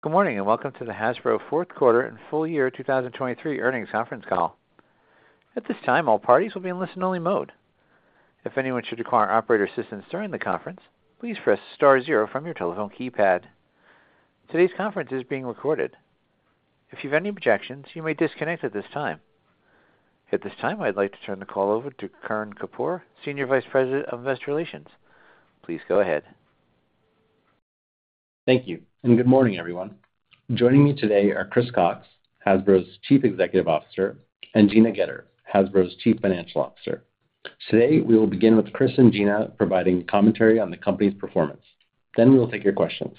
Good morning, and welcome to the Hasbro fourth quarter and full yearf 2023 earnings conference call. At this time, all parties will be in listen-only mode. If anyone should require operator assistance during the conference, please press star zero from your telephone keypad. Today's conference is being recorded. If you have any objections, you may disconnect at this time. At this time, I'd like to turn the call over to Kern Kapoor, Senior Vice President of Investor Relations. Please go ahead. Thank you, and good morning, everyone. Joining me today are Chris Cocks, Hasbro's Chief Executive Officer, and Gina Goetter, Hasbro's Chief Financial Officer. Today, we will begin with Chris and Gina providing commentary on the company's performance. Then we will take your questions.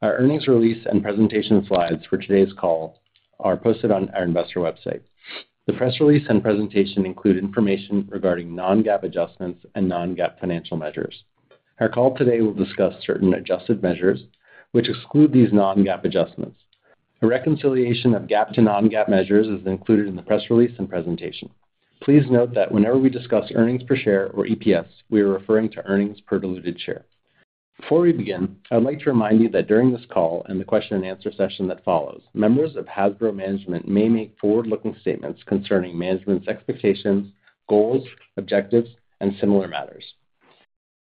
Our earnings release and presentation slides for today's call are posted on our investor website. The press release and presentation include information regarding non-GAAP adjustments and non-GAAP financial measures. Our call today will discuss certain adjusted measures which exclude these non-GAAP adjustments. A reconciliation of GAAP to non-GAAP measures is included in the press release and presentation. Please note that whenever we discuss earnings per share or EPS, we are referring to earnings per diluted share. Before we begin, I'd like to remind you that during this call and the question and answer session that follows, members of Hasbro management may make forward-looking statements concerning management's expectations, goals, objectives, and similar matters.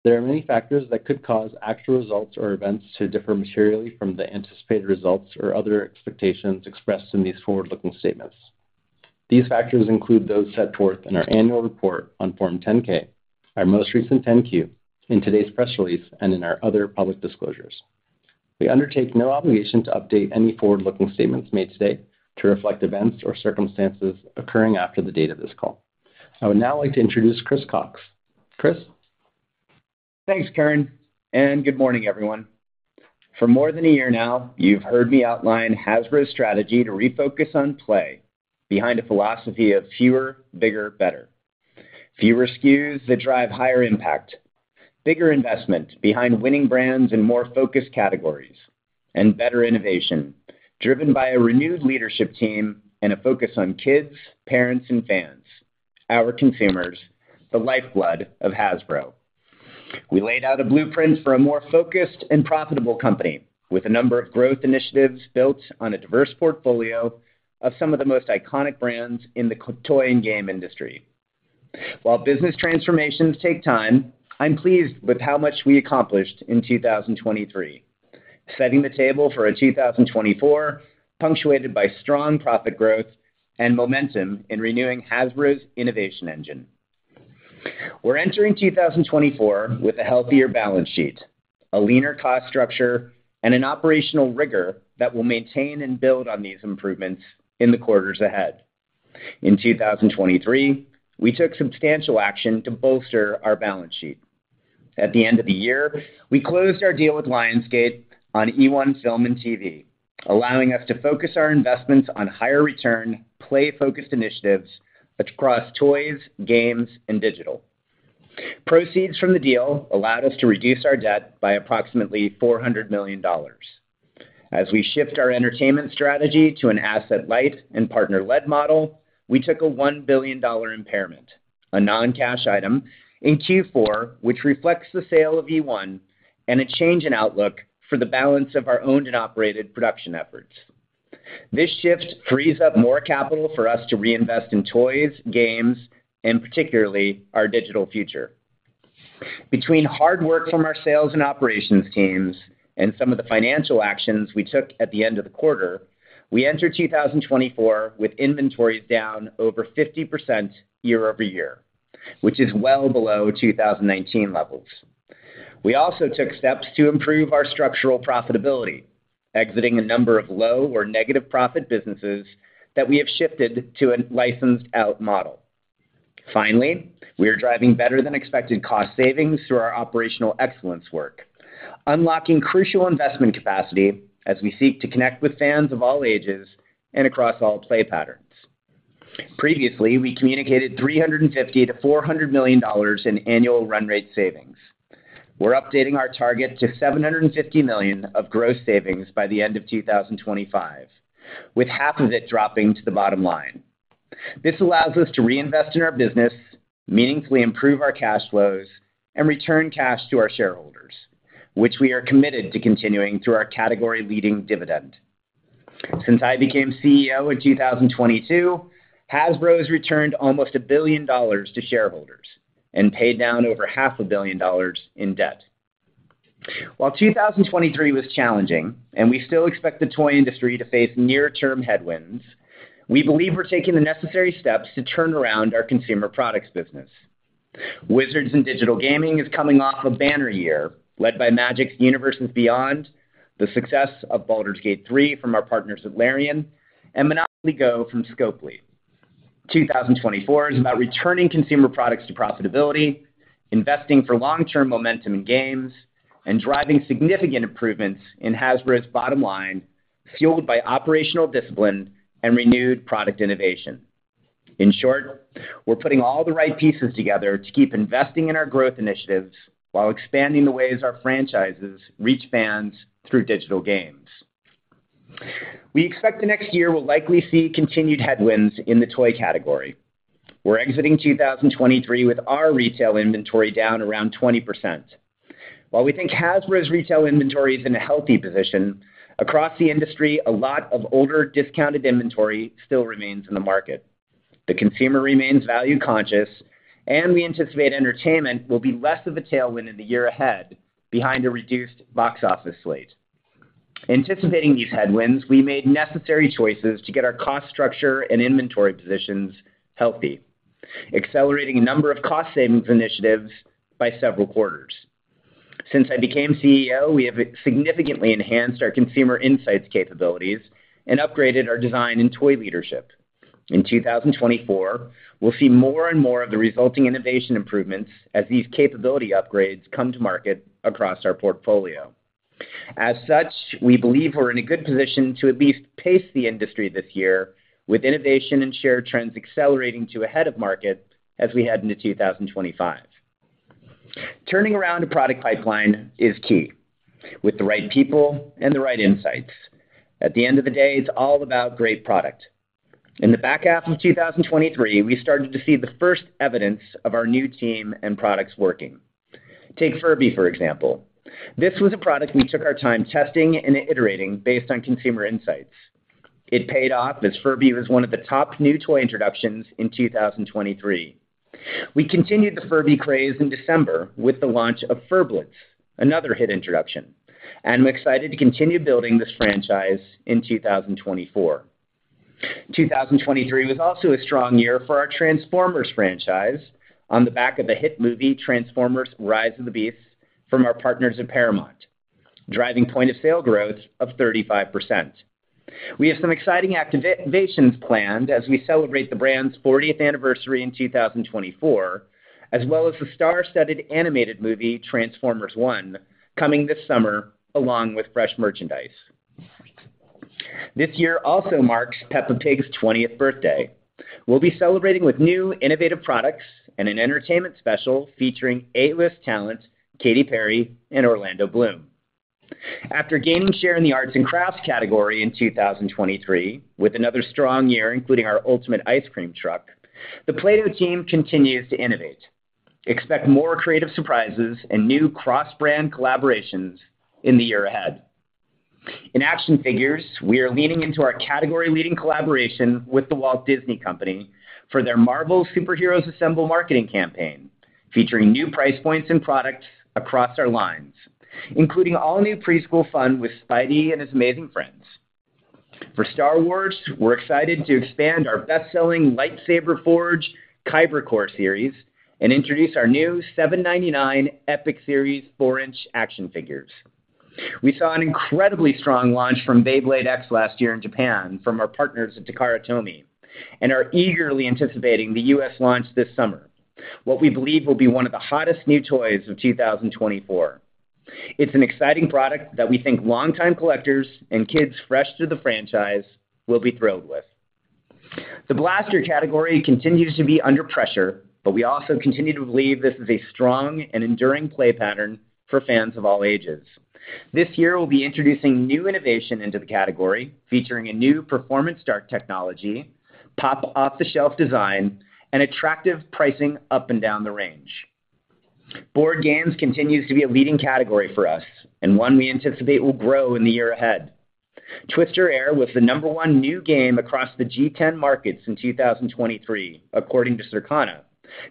There are many factors that could cause actual results or events to differ materially from the anticipated results or other expectations expressed in these forward-looking statements. These factors include those set forth in our annual report on Form 10-K, our most recent 10-Q, in today's press release, and in our other public disclosures. We undertake no obligation to update any forward-looking statements made today to reflect events or circumstances occurring after the date of this call. I would now like to introduce Chris Cocks. Chris? Thanks, Karan, and good morning, everyone. For more than a year now, you've heard me outline Hasbro's strategy to refocus on play behind a philosophy of fewer, bigger, better. Fewer SKUs that drive higher impact, bigger investment behind winning brands and more focused categories, and better innovation, driven by a renewed leadership team and a focus on kids, parents, and fans, our consumers, the lifeblood of Hasbro. We laid out a blueprint for a more focused and profitable company with a number of growth initiatives built on a diverse portfolio of some of the most iconic brands in the toy and game industry. While business transformations take time, I'm pleased with how much we accomplished in 2023, setting the table for a 2024, punctuated by strong profit growth and momentum in renewing Hasbro's innovation engine. We're entering 2024 with a healthier balance sheet, a leaner cost structure, and an operational rigor that will maintain and build on these improvements in the quarters ahead. In 2023, we took substantial action to bolster our balance sheet. At the end of the year, we closed our deal with Lionsgate on eOne Film and TV, allowing us to focus our investments on higher return, play-focused initiatives across toys, games, and digital. Proceeds from the deal allowed us to reduce our debt by approximately $400 million. As we shift our entertainment strategy to an asset-light and partner-led model, we took a $1 billion impairment, a non-cash item, in Q4, which reflects the sale of eOne and a change in outlook for the balance of our owned and operated production efforts. This shift frees up more capital for us to reinvest in toys, games, and particularly our digital future. Between hard work from our sales and operations teams and some of the financial actions we took at the end of the quarter, we entered 2024 with inventory down over 50% year-over-year, which is well below 2019 levels. We also took steps to improve our structural profitability, exiting a number of low or negative profit businesses that we have shifted to a licensed out model. Finally, we are driving better-than-expected cost savings through our operational excellence work, unlocking crucial investment capacity as we seek to connect with fans of all ages and across all play patterns. Previously, we communicated $350 million-$400 million in annual run rate savings. We're updating our target to $750 million of gross savings by the end of 2025, with $375 million dropping to the bottom line. This allows us to reinvest in our business, meaningfully improve our cash flows, and return cash to our shareholders, which we are committed to continuing through our category-leading dividend. Since I became CEO in 2022, Hasbro has returned almost $1 billion to shareholders and paid down over $500 million in debt. While 2023 was challenging, and we still expect the toy industry to face near-term headwinds, we believe we're taking the necessary steps to turn around our consumer products business. Wizards and Digital Gaming is coming off a banner year led by Magic's Universes Beyond, the success of Baldur's Gate 3 from our partners at Larian, and Monopoly GO! from Scopely. 2024 is about returning consumer products to profitability, investing for long-term momentum in games, and driving significant improvements in Hasbro's bottom line, fueled by operational discipline and renewed product innovation. In short, we're putting all the right pieces together to keep investing in our growth initiatives while expanding the ways our franchises reach fans through digital games.... We expect the next year will likely see continued headwinds in the toy category. We're exiting 2023 with our retail inventory down around 20%. While we think Hasbro's retail inventory is in a healthy position, across the industry, a lot of older, discounted inventory still remains in the market. The consumer remains value-conscious, and we anticipate entertainment will be less of a tailwind in the year ahead, behind a reduced box office slate. Anticipating these headwinds, we made necessary choices to get our cost structure and inventory positions healthy, accelerating a number of cost savings initiatives by several quarters. Since I became CEO, we have significantly enhanced our consumer insights capabilities and upgraded our design and toy leadership. In 2024, we'll see more and more of the resulting innovation improvements as these capability upgrades come to market across our portfolio. As such, we believe we're in a good position to at least pace the industry this year, with innovation and share trends accelerating to ahead of market as we head into 2025. Turning around a product pipeline is key, with the right people and the right insights. At the end of the day, it's all about great product. In the back half of 2023, we started to see the first evidence of our new team and products working. Take Furby, for example. This was a product we took our time testing and iterating based on consumer insights. It paid off, as Furby was one of the top new toy introductions in 2023. We continued the Furby craze in December with the launch of Furblets, another hit introduction, and we're excited to continue building this franchise in 2024. 2023 was also a strong year for our Transformers franchise on the back of the hit movie, Transformers: Rise of the Beasts, from our partners at Paramount, driving point-of-sale growth of 35%. We have some exciting activations planned as we celebrate the brand's 40th anniversary in 2024, as well as the star-studded animated movie, Transformers One, coming this summer, along with fresh merchandise. This year also marks Peppa Pig's 20th birthday. We'll be celebrating with new, innovative products and an entertainment special featuring A-list talent Katy Perry and Orlando Bloom. After gaining share in the arts and crafts category in 2023, with another strong year, including our Ultimate Ice Cream Truck, the Play-Doh team continues to innovate. Expect more creative surprises and new cross-brand collaborations in the year ahead. In action figures, we are leaning into our category-leading collaboration with The Walt Disney Company for their Marvel Super Heroes Assemble marketing campaign, featuring new price points and products across our lines, including all-new preschool fun with Spidey and His Amazing Friends. For Star Wars, we're excited to expand our best-selling Lightsaber Forge Kyber Core series and introduce our new $7.99 Epic Series four-inch action figures. We saw an incredibly strong launch from BEYBLADE X last year in Japan, from our partners at Takara Tomy, and are eagerly anticipating the U.S. launch this summer, what we believe will be one of the hottest new toys of 2024. It's an exciting product that we think longtime collectors and kids fresh to the franchise will be thrilled with. The Blaster category continues to be under pressure, but we also continue to believe this is a strong and enduring play pattern for fans of all ages. This year, we'll be introducing new innovation into the category, featuring a new Performance Dart technology, pop-off-the-shelf design, and attractive pricing up and down the range. Board games continues to be a leading category for us and one we anticipate will grow in the year ahead. Twister Air was the number one new game across the G10 markets in 2023, according to Circana,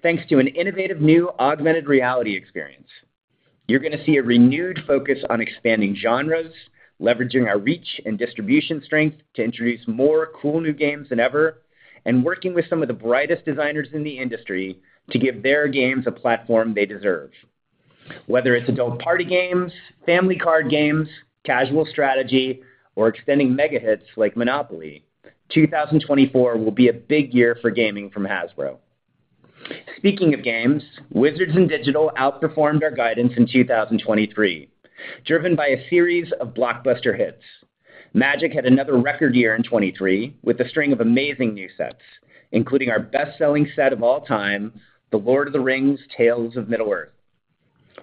thanks to an innovative new augmented reality experience. You're going to see a renewed focus on expanding genres, leveraging our reach and distribution strength to introduce more cool new games than ever, and working with some of the brightest designers in the industry to give their games a platform they deserve. Whether it's adult party games, family card games, casual strategy, or extending mega hits like Monopoly, 2024 will be a big year for gaming from Hasbro. Speaking of games, Wizards and Digital outperformed our guidance in 2023, driven by a series of blockbuster hits. Magic: The Gathering had another record year in 2023, with a string of amazing new sets, including our best-selling set of all time, The Lord of the Rings: Tales of Middle-earth.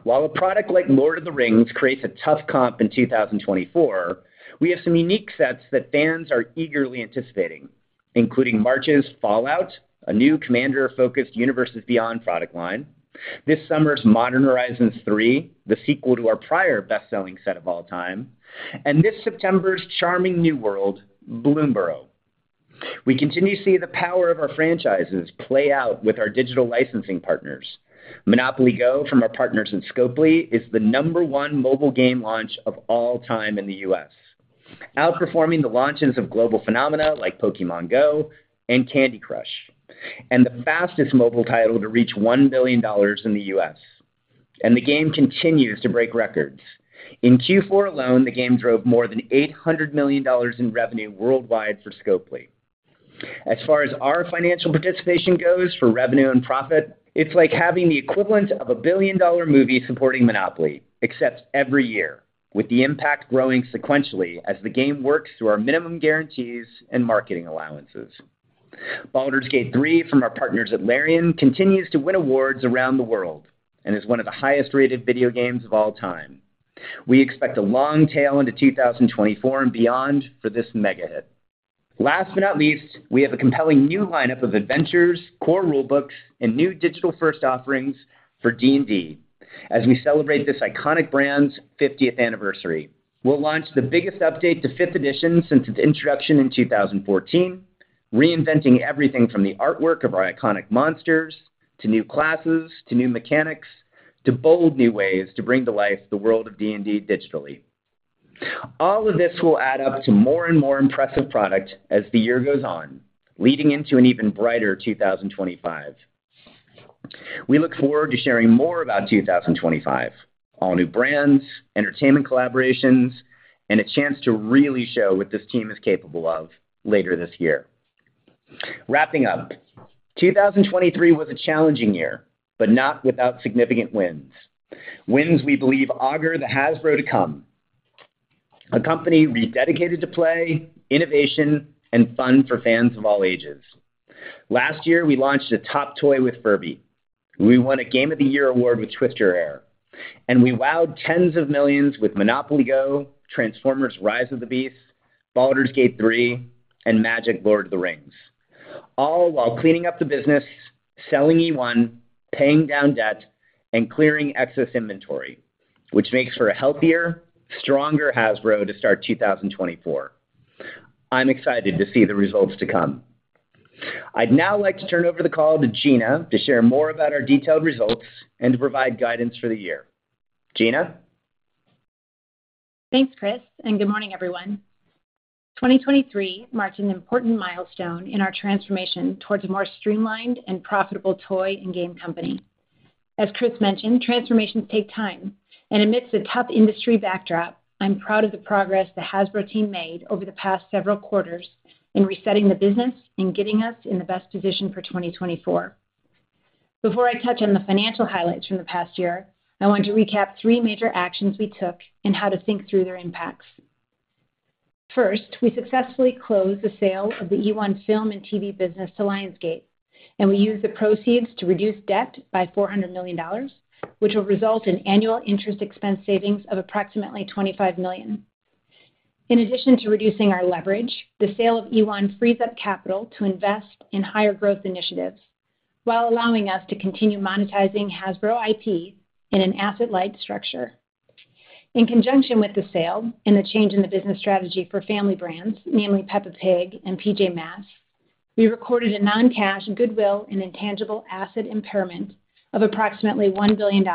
While a product like Lord of the Rings creates a tough comp in 2024, we have some unique sets that fans are eagerly anticipating, including March's Fallout, a new Commander-focused Universes Beyond product line, this summer's Modern Horizons III, the sequel to our prior best-selling set of all time, and this September's charming new world, Bloomburrow. We continue to see the power of our franchises play out with our digital licensing partners. MONOPOLY GO! from our partners in Scopely, is the number one mobile game launch of all time in the US, outperforming the launches of global phenomena like Pokémon GO and Candy Crush, and the fastest mobile title to reach $1 billion in the US. The game continues to break records. In Q4 alone, the game drove more than $800 million in revenue worldwide for Scopely. As far as our financial participation goes for revenue and profit, it's like having the equivalent of a billion-dollar movie supporting Monopoly, except every year, with the impact growing sequentially as the game works through our minimum guarantees and marketing allowances. Baldur's Gate 3 from our partners at Larian continues to win awards around the world and is one of the highest-rated video games of all time. We expect a long tail into 2024 and beyond for this mega hit. Last but not least, we have a compelling new lineup of adventures, core rule books, and new digital-first offerings for D&D as we celebrate this iconic brand's 50th anniversary. We'll launch the biggest update to Fifth Edition since its introduction in 2014, reinventing everything from the artwork of our iconic monsters, to new classes, to new mechanics, to bold new ways to bring to life the world of D&D digitally. All of this will add up to more and more impressive product as the year goes on, leading into an even brighter 2025. We look forward to sharing more about 2025, all new brands, entertainment collaborations, and a chance to really show what this team is capable of later this year. Wrapping up, 2023 was a challenging year, but not without significant wins, wins we believe augur the Hasbro to come, a company rededicated to play, innovation, and fun for fans of all ages. Last year, we launched a top toy with Furby. We won a Game of the Year award with Twister Air, and we wowed tens of millions with Monopoly GO!, Transformers: Rise of the Beasts, Baldur's Gate 3, and Magic: Lord of the Rings, all while cleaning up the business, selling eOne, paying down debt, and clearing excess inventory, which makes for a healthier, stronger Hasbro to start 2024. I'm excited to see the results to come. I'd now like to turn over the call to Gina to share more about our detailed results and to provide guidance for the year. Gina? Thanks, Chris, and good morning, everyone. 2023 marked an important milestone in our transformation towards a more streamlined and profitable toy and game company. As Chris mentioned, transformations take time, and amidst a tough industry backdrop, I'm proud of the progress the Hasbro team made over the past several quarters in resetting the business and getting us in the best position for 2024. Before I touch on the financial highlights from the past year, I want to recap three major actions we took and how to think through their impacts. First, we successfully closed the sale of the eOne Film and TV business to Lionsgate, and we used the proceeds to reduce debt by $400 million, which will result in annual interest expense savings of approximately $25 million. In addition to reducing our leverage, the sale of eOne frees up capital to invest in higher growth initiatives while allowing us to continue monetizing Hasbro IP in an asset-light structure. In conjunction with the sale and the change in the business strategy for Family Brands, namely Peppa Pig and PJ Masks, we recorded a non-cash goodwill and intangible asset impairment of approximately $1 billion,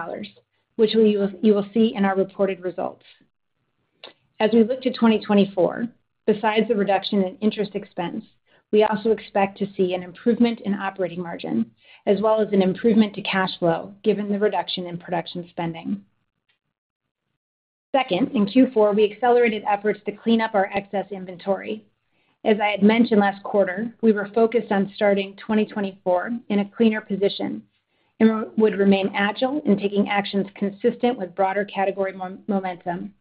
which we will - you will see in our reported results. As we look to 2024, besides the reduction in interest expense, we also expect to see an improvement in operating margin, as well as an improvement to cash flow, given the reduction in production spending. Second, in Q4, we accelerated efforts to clean up our excess inventory. As I had mentioned last quarter, we were focused on starting 2024 in a cleaner position and would remain agile in taking actions consistent with broader category momentum.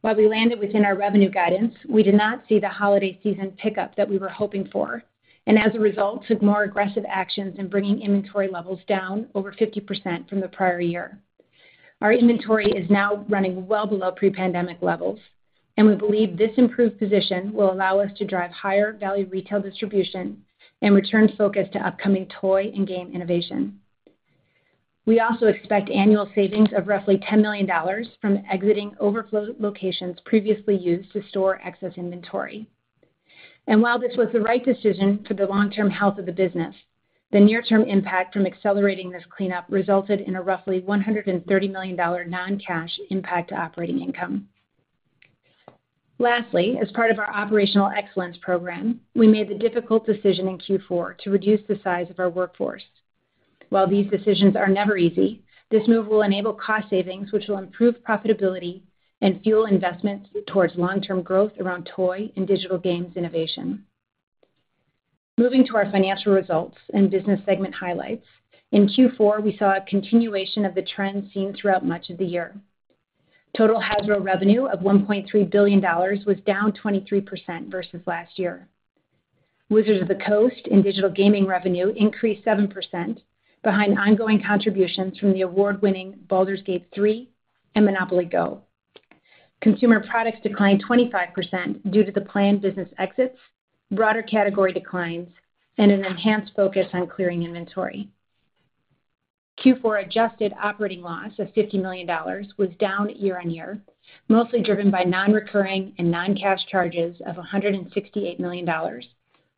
While we landed within our revenue guidance, we did not see the holiday season pickup that we were hoping for, and as a result, took more aggressive actions in bringing inventory levels down over 50% from the prior year. Our inventory is now running well below pre-pandemic levels, and we believe this improved position will allow us to drive higher value retail distribution and return focus to upcoming toy and game innovation. We also expect annual savings of roughly $10 million from exiting overflow locations previously used to store excess inventory. While this was the right decision for the long-term health of the business, the near-term impact from accelerating this cleanup resulted in a roughly $130 million non-cash impact to operating income. Lastly, as part of our operational excellence program, we made the difficult decision in Q4 to reduce the size of our workforce. While these decisions are never easy, this move will enable cost savings, which will improve profitability and fuel investments towards long-term growth around toy and digital games innovation. Moving to our financial results and business segment highlights, in Q4, we saw a continuation of the trend seen throughout much of the year. Total Hasbro revenue of $1.3 billion was down 23% versus last year. Wizards of the Coast and Digital Gaming revenue increased 7%, behind ongoing contributions from the award-winning Baldur's Gate 3 and Monopoly GO! Consumer products declined 25% due to the planned business exits, broader category declines, and an enhanced focus on clearing inventory. Q4 adjusted operating loss of $50 million was down year-on-year, mostly driven by non-recurring and non-cash charges of $168 million,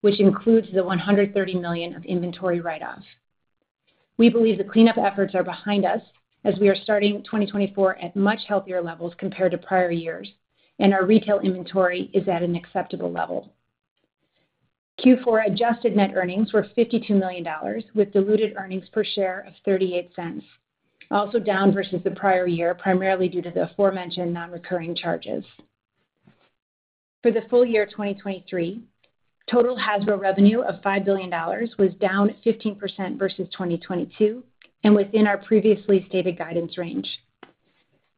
which includes the $130 million of inventory write-off. We believe the cleanup efforts are behind us as we are starting 2024 at much healthier levels compared to prior years, and our retail inventory is at an acceptable level. Q4 adjusted net earnings were $52 million, with diluted earnings per share of $0.38, also down versus the prior year, primarily due to the aforementioned non-recurring charges. For the full year of 2023, total Hasbro revenue of $5 billion was down 15% versus 2022 and within our previously stated guidance range....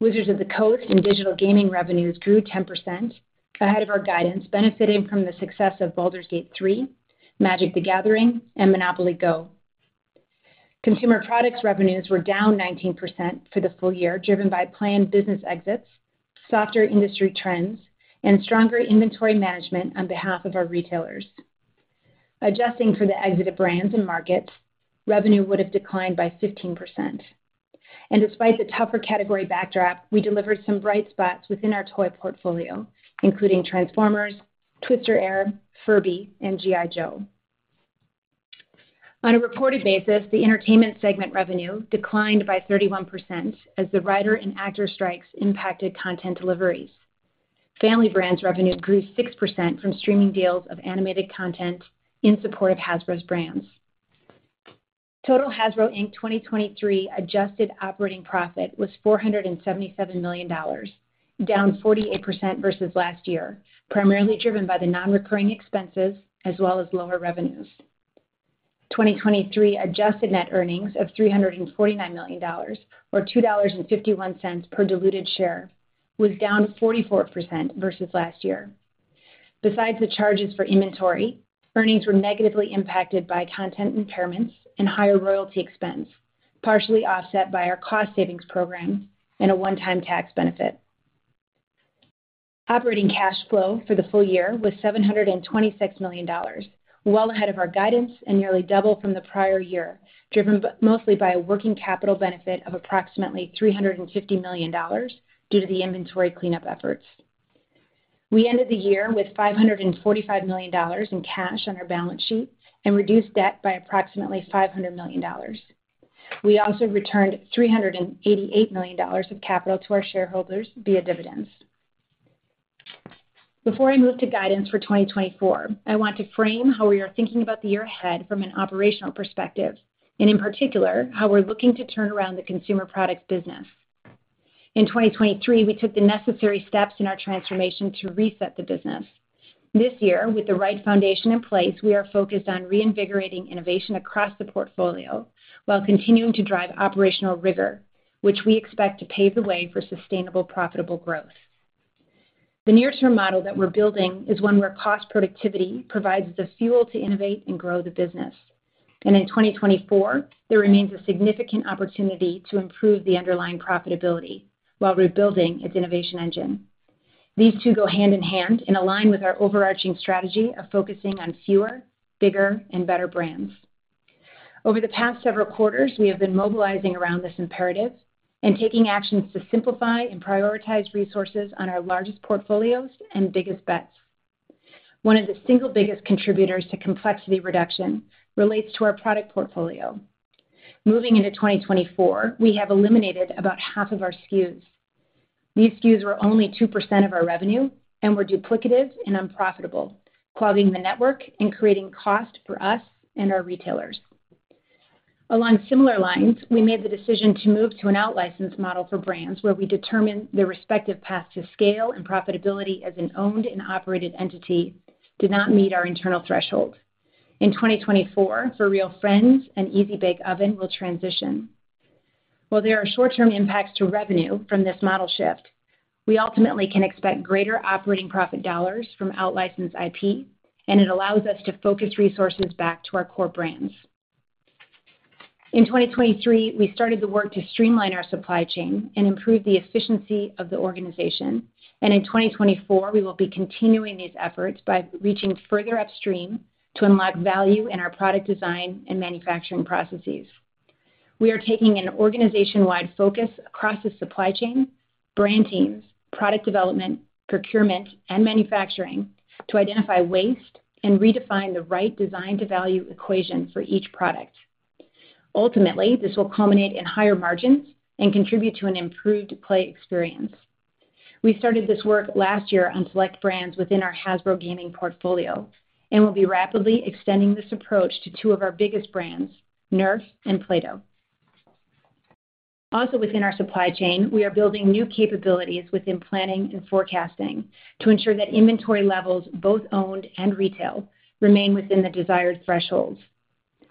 Wizards of the Coast and digital gaming revenues grew 10%, ahead of our guidance, benefiting from the success of Baldur's Gate 3, Magic: The Gathering, and Monopoly GO! Consumer products revenues were down 19% for the full year, driven by planned business exits, softer industry trends, and stronger inventory management on behalf of our retailers. Adjusting for the exited brands and markets, revenue would have declined by 15%. Despite the tougher category backdrop, we delivered some bright spots within our toy portfolio, including Transformers, Twister Air, Furby, and G.I. JOE. On a reported basis, the entertainment segment revenue declined by 31% as the writer and actor strikes impacted content deliveries. Family Brands revenue grew 6% from streaming deals of animated content in support of Hasbro's brands. Total Hasbro Inc. 2023 adjusted operating profit was $477 million, down 48% versus last year, primarily driven by the non-recurring expenses as well as lower revenues. 2023 adjusted net earnings of $349 million or $2.51 per diluted share, was down 44% versus last year. Besides the charges for inventory, earnings were negatively impacted by content impairments and higher royalty expense, partially offset by our cost savings program and a one-time tax benefit. Operating cash flow for the full year was $726 million, well ahead of our guidance and nearly double from the prior year, driven mostly by a working capital benefit of approximately $350 million due to the inventory cleanup efforts. We ended the year with $545 million in cash on our balance sheet and reduced debt by approximately $500 million. We also returned $388 million of capital to our shareholders via dividends. Before I move to guidance for 2024, I want to frame how we are thinking about the year ahead from an operational perspective, and in particular, how we're looking to turn around the consumer products business. In 2023, we took the necessary steps in our transformation to reset the business. This year, with the right foundation in place, we are focused on reinvigorating innovation across the portfolio while continuing to drive operational rigor, which we expect to pave the way for sustainable, profitable growth. The near-term model that we're building is one where cost productivity provides the fuel to innovate and grow the business. In 2024, there remains a significant opportunity to improve the underlying profitability while rebuilding its innovation engine. These two go hand-in-hand and align with our overarching strategy of focusing on fewer, bigger, and better brands. Over the past several quarters, we have been mobilizing around this imperative and taking actions to simplify and prioritize resources on our largest portfolios and biggest bets. One of the single biggest contributors to complexity reduction relates to our product portfolio. Moving into 2024, we have eliminated about half of our SKUs. These SKUs were only 2% of our revenue and were duplicative and unprofitable, clogging the network and creating cost for us and our retailers. Along similar lines, we made the decision to move to an out-license model for brands where we determine the respective path to scale and profitability as an owned and operated entity did not meet our internal threshold. In 2024, for furReal and Easy-Bake Oven, we'll transition. While there are short-term impacts to revenue from this model shift, we ultimately can expect greater operating profit dollars from out-licensed IP, and it allows us to focus resources back to our core brands. In 2023, we started the work to streamline our supply chain and improve the efficiency of the organization, and in 2024, we will be continuing these efforts by reaching further upstream to unlock value in our product design and manufacturing processes. We are taking an organization-wide focus across the supply chain, brand teams, product development, procurement, and manufacturing to identify waste and redefine the right design-to-value equation for each product. Ultimately, this will culminate in higher margins and contribute to an improved play experience. We started this work last year on select brands within our Hasbro Gaming portfolio and will be rapidly extending this approach to two of our biggest brands, Nerf and Play-Doh. Also, within our supply chain, we are building new capabilities within planning and forecasting to ensure that inventory levels, both owned and retail, remain within the desired thresholds.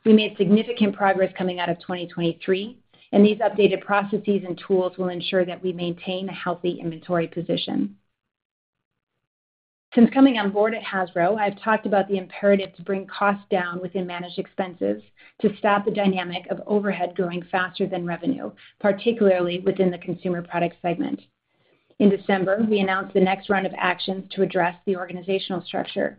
We made significant progress coming out of 2023, and these updated processes and tools will ensure that we maintain a healthy inventory position. Since coming on board at Hasbro, I've talked about the imperative to bring costs down within managed expenses to stop the dynamic of overhead growing faster than revenue, particularly within the consumer products segment. In December, we announced the next round of actions to address the organizational structure.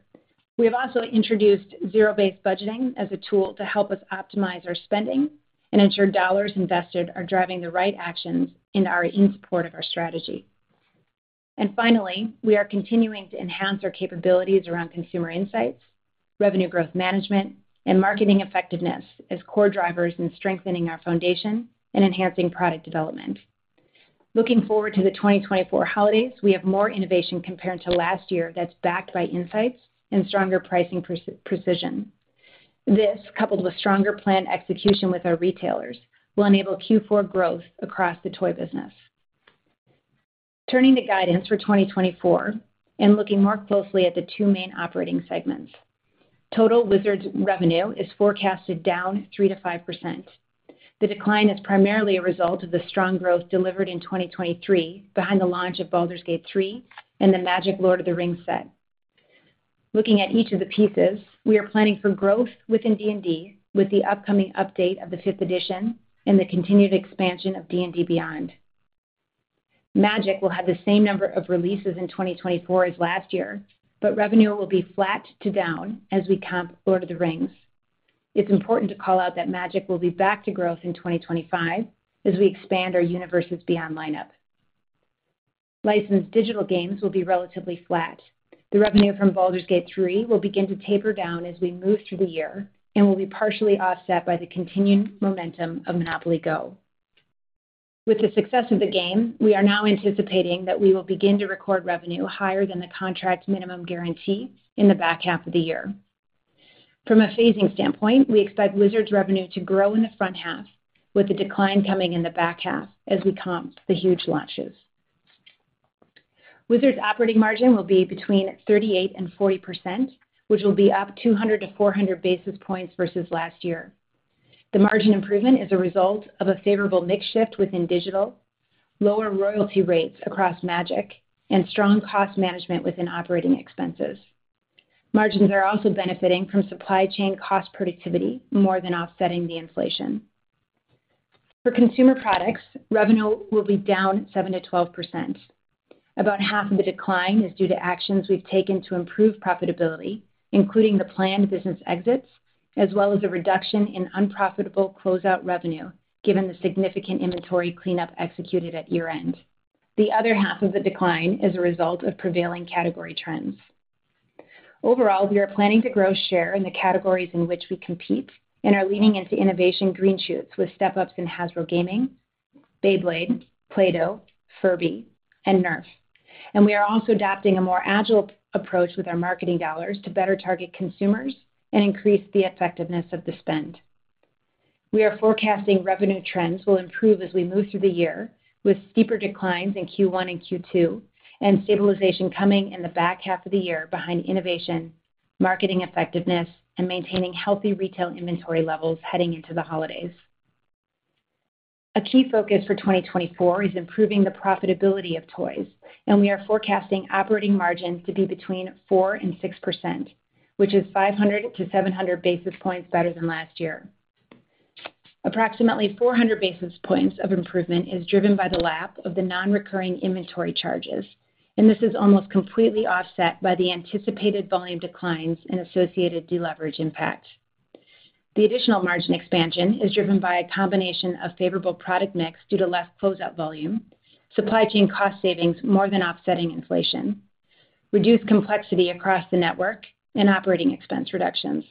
We have also introduced zero-based budgeting as a tool to help us optimize our spending and ensure dollars invested are driving the right actions and are in support of our strategy. Finally, we are continuing to enhance our capabilities around consumer insights, revenue growth management, and marketing effectiveness as core drivers in strengthening our foundation and enhancing product development. Looking forward to the 2024 holidays, we have more innovation compared to last year that's backed by insights and stronger pricing precision. This, coupled with stronger plan execution with our retailers, will enable Q4 growth across the toy business. Turning to guidance for 2024 and looking more closely at the two main operating segments. Total Wizards revenue is forecasted down 3%-5%. The decline is primarily a result of the strong growth delivered in 2023 behind the launch of Baldur's Gate 3 and the Magic Lord of the Rings set. Looking at each of the pieces, we are planning for growth within D&D, with the upcoming update of the fifth edition and the continued expansion of D&D Beyond. Magic will have the same number of releases in 2024 as last year, but revenue will be flat to down as we comp Lord of the Rings. It's important to call out that Magic will be back to growth in 2025 as we expand our Universes Beyond lineup. Licensed digital games will be relatively flat. The revenue from Baldur's Gate 3 will begin to taper down as we move through the year and will be partially offset by the continued momentum of Monopoly GO!. With the success of the game, we are now anticipating that we will begin to record revenue higher than the contract minimum guarantee in the back half of the year. From a phasing standpoint, we expect Wizards revenue to grow in the front half, with the decline coming in the back half as we comp the huge launches. Wizards' operating margin will be between 38% and 40%, which will be up 200-400 basis points versus last year. The margin improvement is a result of a favorable mix shift within digital, lower royalty rates across Magic, and strong cost management within operating expenses. Margins are also benefiting from supply chain cost productivity, more than offsetting the inflation. For consumer products, revenue will be down 7%-12%. About half of the decline is due to actions we've taken to improve profitability, including the planned business exits, as well as a reduction in unprofitable closeout revenue, given the significant inventory cleanup executed at year-end. The other half of the decline is a result of prevailing category trends. Overall, we are planning to grow share in the categories in which we compete and are leaning into innovation green shoots with step-ups in Hasbro Gaming, Beyblade, Play-Doh, Furby, and Nerf. We are also adapting a more agile approach with our marketing dollars to better target consumers and increase the effectiveness of the spend. We are forecasting revenue trends will improve as we move through the year, with steeper declines in Q1 and Q2, and stabilization coming in the back half of the year behind innovation, marketing effectiveness, and maintaining healthy retail inventory levels heading into the holidays. A key focus for 2024 is improving the profitability of toys, and we are forecasting operating margins to be between 4% and 6%, which is 500-700 basis points better than last year. Approximately 400 basis points of improvement is driven by the lapse of the non-recurring inventory charges, and this is almost completely offset by the anticipated volume declines and associated deleverage impact. The additional margin expansion is driven by a combination of favorable product mix due to less closeout volume, supply chain cost savings more than offsetting inflation, reduced complexity across the network, and operating expense reductions.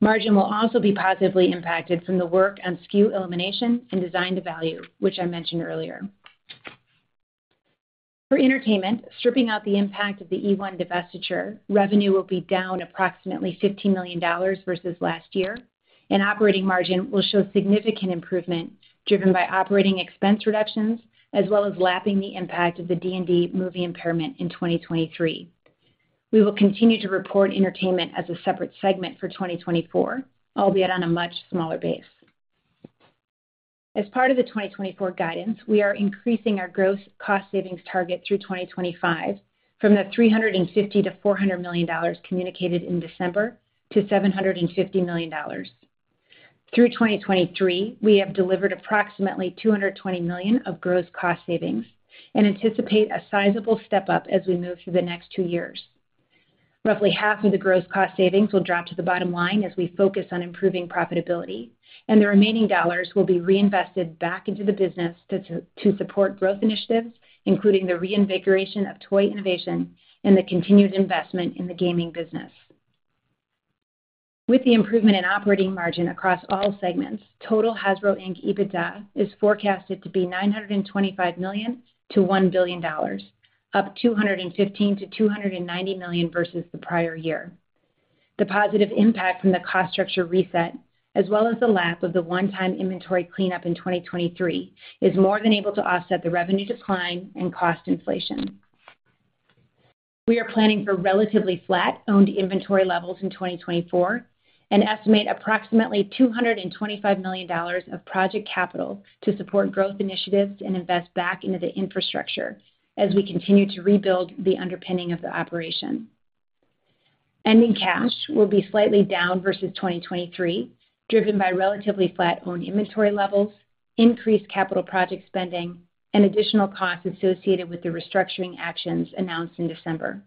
Margin will also be positively impacted from the work on SKU elimination and design to value, which I mentioned earlier. For entertainment, stripping out the impact of the eOne divestiture, revenue will be down approximately $50 million versus last year, and operating margin will show significant improvement, driven by operating expense reductions, as well as lapping the impact of the D&D movie impairment in 2023. We will continue to report entertainment as a separate segment for 2024, albeit on a much smaller base. As part of the 2024 guidance, we are increasing our gross cost savings target through 2025 from the $350 million-$400 million communicated in December to $750 million. Through 2023, we have delivered approximately $220 million of gross cost savings and anticipate a sizable step-up as we move through the next two years. Roughly half of the gross cost savings will drop to the bottom line as we focus on improving profitability, and the remaining dollars will be reinvested back into the business to support growth initiatives, including the reinvigoration of toy innovation and the continued investment in the gaming business. With the improvement in operating margin across all segments, total Hasbro Inc. EBITDA is forecasted to be $925 million-$1 billion, up $215 million-$290 million versus the prior year. The positive impact from the cost structure reset, as well as the lap of the one-time inventory cleanup in 2023, is more than able to offset the revenue decline and cost inflation. We are planning for relatively flat owned inventory levels in 2024 and estimate approximately $225 million of project capital to support growth initiatives and invest back into the infrastructure as we continue to rebuild the underpinning of the operation. Ending cash will be slightly down versus 2023, driven by relatively flat owned inventory levels, increased capital project spending, and additional costs associated with the restructuring actions announced in December.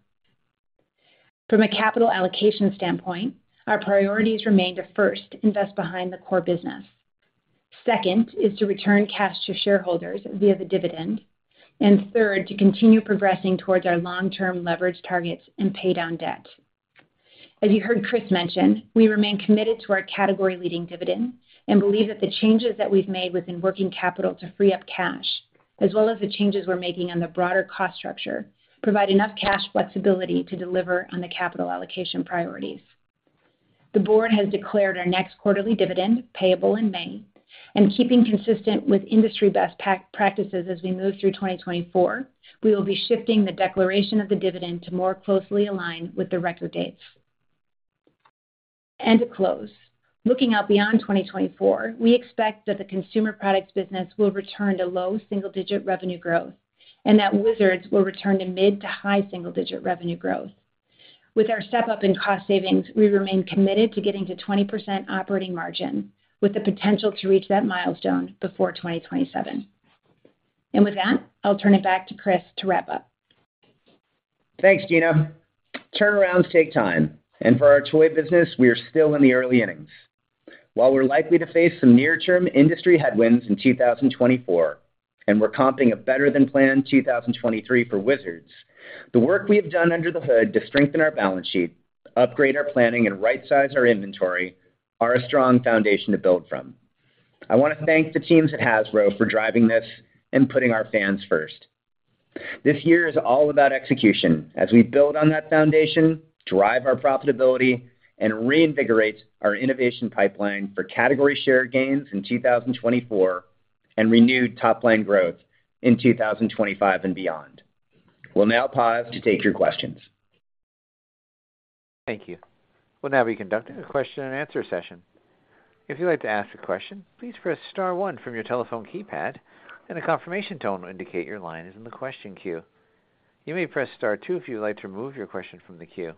From a capital allocation standpoint, our priorities remain to, first, invest behind the core business. Second is to return cash to shareholders via the dividend, and third, to continue progressing towards our long-term leverage targets and pay down debt. As you heard Chris mention, we remain committed to our category-leading dividend and believe that the changes that we've made within working capital to free up cash, as well as the changes we're making on the broader cost structure, provide enough cash flexibility to deliver on the capital allocation priorities. The board has declared our next quarterly dividend, payable in May, and keeping consistent with industry best practice as we move through 2024, we will be shifting the declaration of the dividend to more closely align with the record dates. To close, looking out beyond 2024, we expect that the consumer products business will return to low single-digit revenue growth, and that Wizards will return to mid- to high single-digit revenue growth. With our step-up in cost savings, we remain committed to getting to 20% operating margin, with the potential to reach that milestone before 2027. With that, I'll turn it back to Chris to wrap up. Thanks, Gina. Turnarounds take time, and for our toy business, we are still in the early innings. While we're likely to face some near-term industry headwinds in 2024, and we're comping a better-than-planned 2023 for Wizards, the work we have done under the hood to strengthen our balance sheet, upgrade our planning, and rightsize our inventory, are a strong foundation to build from. I wanna thank the teams at Hasbro for driving this and putting our fans first. This year is all about execution as we build on that foundation, drive our profitability, and reinvigorate our innovation pipeline for category share gains in 2024, and renewed top-line growth in 2025 and beyond. We'll now pause to take your questions. Thank you. We'll now be conducting a question and answer session. If you'd like to ask a question, please press star one from your telephone keypad, and a confirmation tone will indicate your line is in the question queue. You may press Star two if you'd like to remove your question from the queue.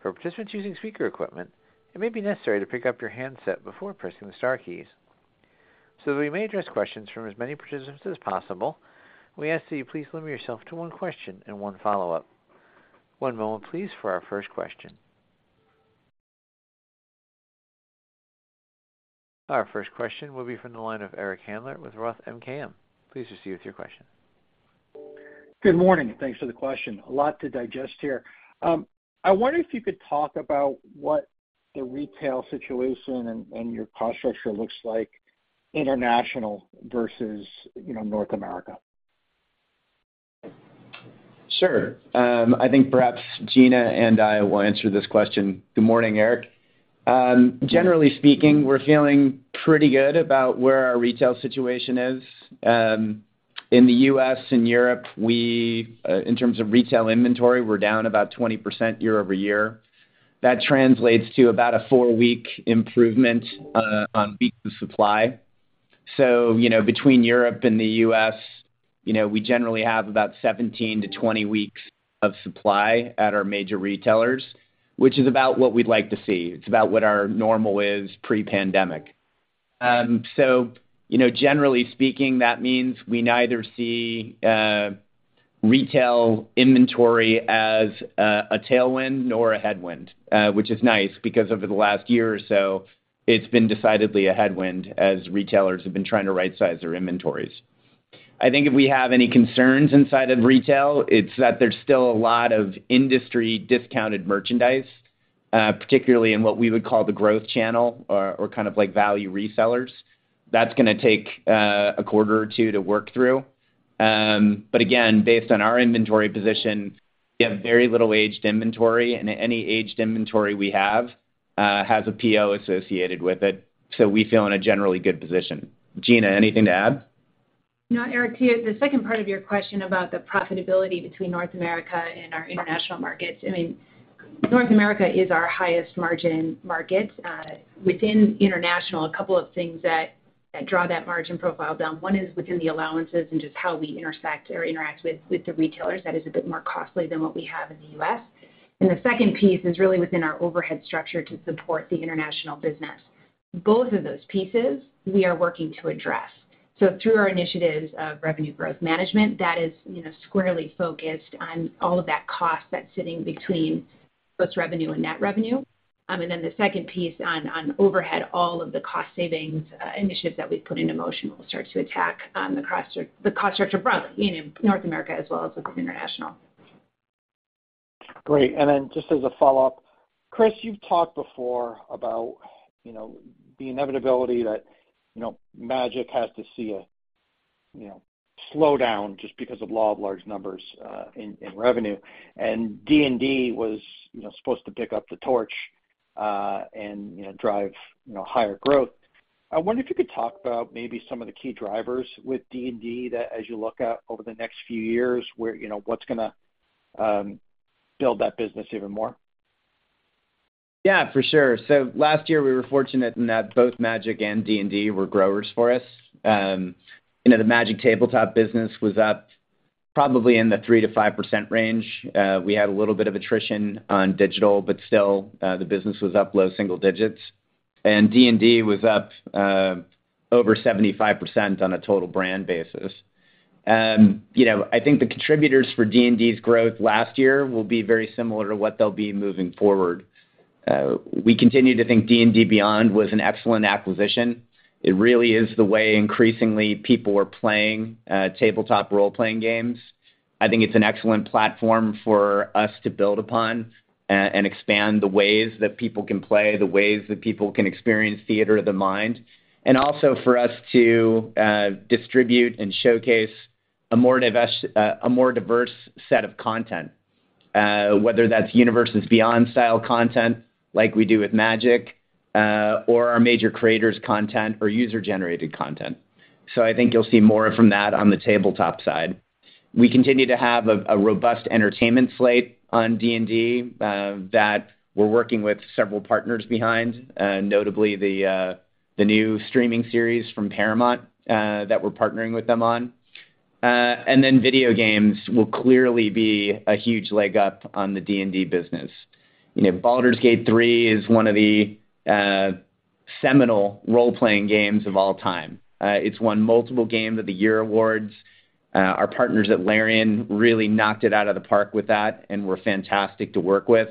For participants using speaker equipment, it may be necessary to pick up your handset before pressing the star keys. So that we may address questions from as many participants as possible, we ask that you please limit yourself to one question and one follow-up. One moment, please, for our first question. Our first question will be from the line of Eric Handler with Roth MKM. Please proceed with your question. Good morning, and thanks for the question. A lot to digest here. I wonder if you could talk about what the retail situation and your cost structure looks like international versus, you know, North America. Sure. I think perhaps Gina and I will answer this question. Good morning, Eric. Generally speaking, we're feeling pretty good about where our retail situation is. In the US and Europe, we, in terms of retail inventory, we're down about 20% year-over-year. That translates to about a 4-week improvement, on weeks of supply. So, you know, between Europe and the US, you know, we generally have about 17-20 weeks of supply at our major retailers, which is about what we'd like to see. It's about what our normal is pre-pandemic. So, you know, generally speaking, that means we neither see, retail inventory as, a tailwind nor a headwind, which is nice, because over the last year or so, it's been decidedly a headwind as retailers have been trying to rightsize their inventories. I think if we have any concerns inside of retail, it's that there's still a lot of industry discounted merchandise, particularly in what we would call the growth channel or, or kind of like value resellers. That's gonna take a quarter or two to work through. But again, based on our inventory position, we have very little aged inventory, and any aged inventory we have has a PO associated with it, so we feel in a generally good position. Gina, anything to add? No, Eric, to the second part of your question about the profitability between North America and our international markets. I mean, North America is our highest margin market. Within international, a couple of things that, that draw that margin profile down. One is within the allowances and just how we intersect or interact with, with the retailers. That is a bit more costly than what we have in the U.S. And the second piece is really within our overhead structure to support the international business. Both of those pieces we are working to address. So through our initiatives of revenue growth management, that is, you know, squarely focused on all of that cost that's sitting between both revenue and net revenue. And then the second piece on overhead, all of the cost savings initiatives that we've put into motion will start to attack the cost structure broadly, in North America as well as with international. Great. And then just as a follow-up, Chris, you've talked before about, you know, the inevitability that, you know, Magic has to see a, you know, slowdown just because of law of large numbers in revenue. And D&D was, you know, supposed to pick up the torch and, you know, drive higher growth. I wonder if you could talk about maybe some of the key drivers with D&D that as you look out over the next few years, where, you know, what's gonna build that business even more? Yeah, for sure. So last year, we were fortunate in that both Magic and D&D were growers for us. You know, the Magic tabletop business was up probably in the 3%-5% range. We had a little bit of attrition on digital, but still, the business was up low single digits, and D&D was up, over 75% on a total brand basis. You know, I think the contributors for D&D's growth last year will be very similar to what they'll be moving forward. We continue to think D&D Beyond was an excellent acquisition. It really is the way increasingly people are playing, tabletop role-playing games. I think it's an excellent platform for us to build upon, and expand the ways that people can play, the ways that people can experience Theater of the Mind, and also for us to, distribute and showcase a more diverse set of content, whether that's Universes Beyond style content, like we do with Magic, or our major creators content or user-generated content. So I think you'll see more from that on the tabletop side. We continue to have a robust entertainment slate on D&D, that we're working with several partners behind, notably the new streaming series from Paramount, that we're partnering with them on. And then video games will clearly be a huge leg up on the D&D business. You know, Baldur's Gate 3 is one of the seminal role-playing games of all time. It's won multiple Games of the Year awards. Our partners at Larian really knocked it out of the park with that and were fantastic to work with.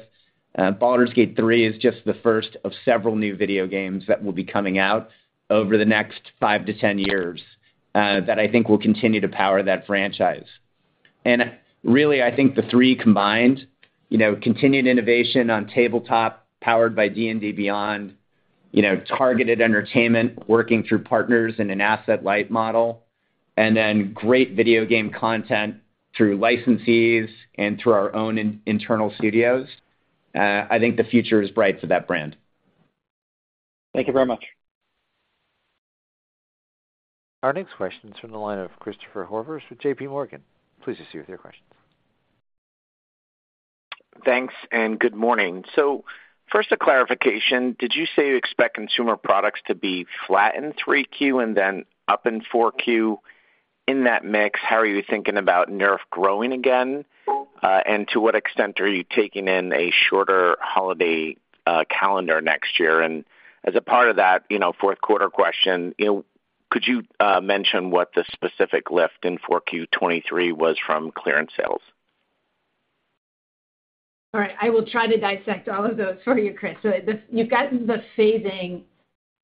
Baldur's Gate 3 is just the first of several new video games that will be coming out over the next 5-10 years, that I think will continue to power that franchise. And really, I think the three combined, you know, continued innovation on tabletop, powered by D&D Beyond, you know, targeted entertainment, working through partners in an asset-light model, and then great video game content through licensees and through our own internal studios, I think the future is bright for that brand. Thank you very much. Our next question is from the line of Christopher Horvers with J.P. Morgan. Please proceed with your questions. Thanks, and good morning. First, a clarification, did you say you expect consumer products to be flat in Q3 and then up in Q4? In that mix, how are you thinking about Nerf growing again? And to what extent are you taking in a shorter holiday calendar next year? And as a part of that, you know, fourth quarter question, you know, could you mention what the specific lift in Q4 2023 was from clearance sales? All right, I will try to dissect all of those for you, Chris. So this- you've gotten the phasing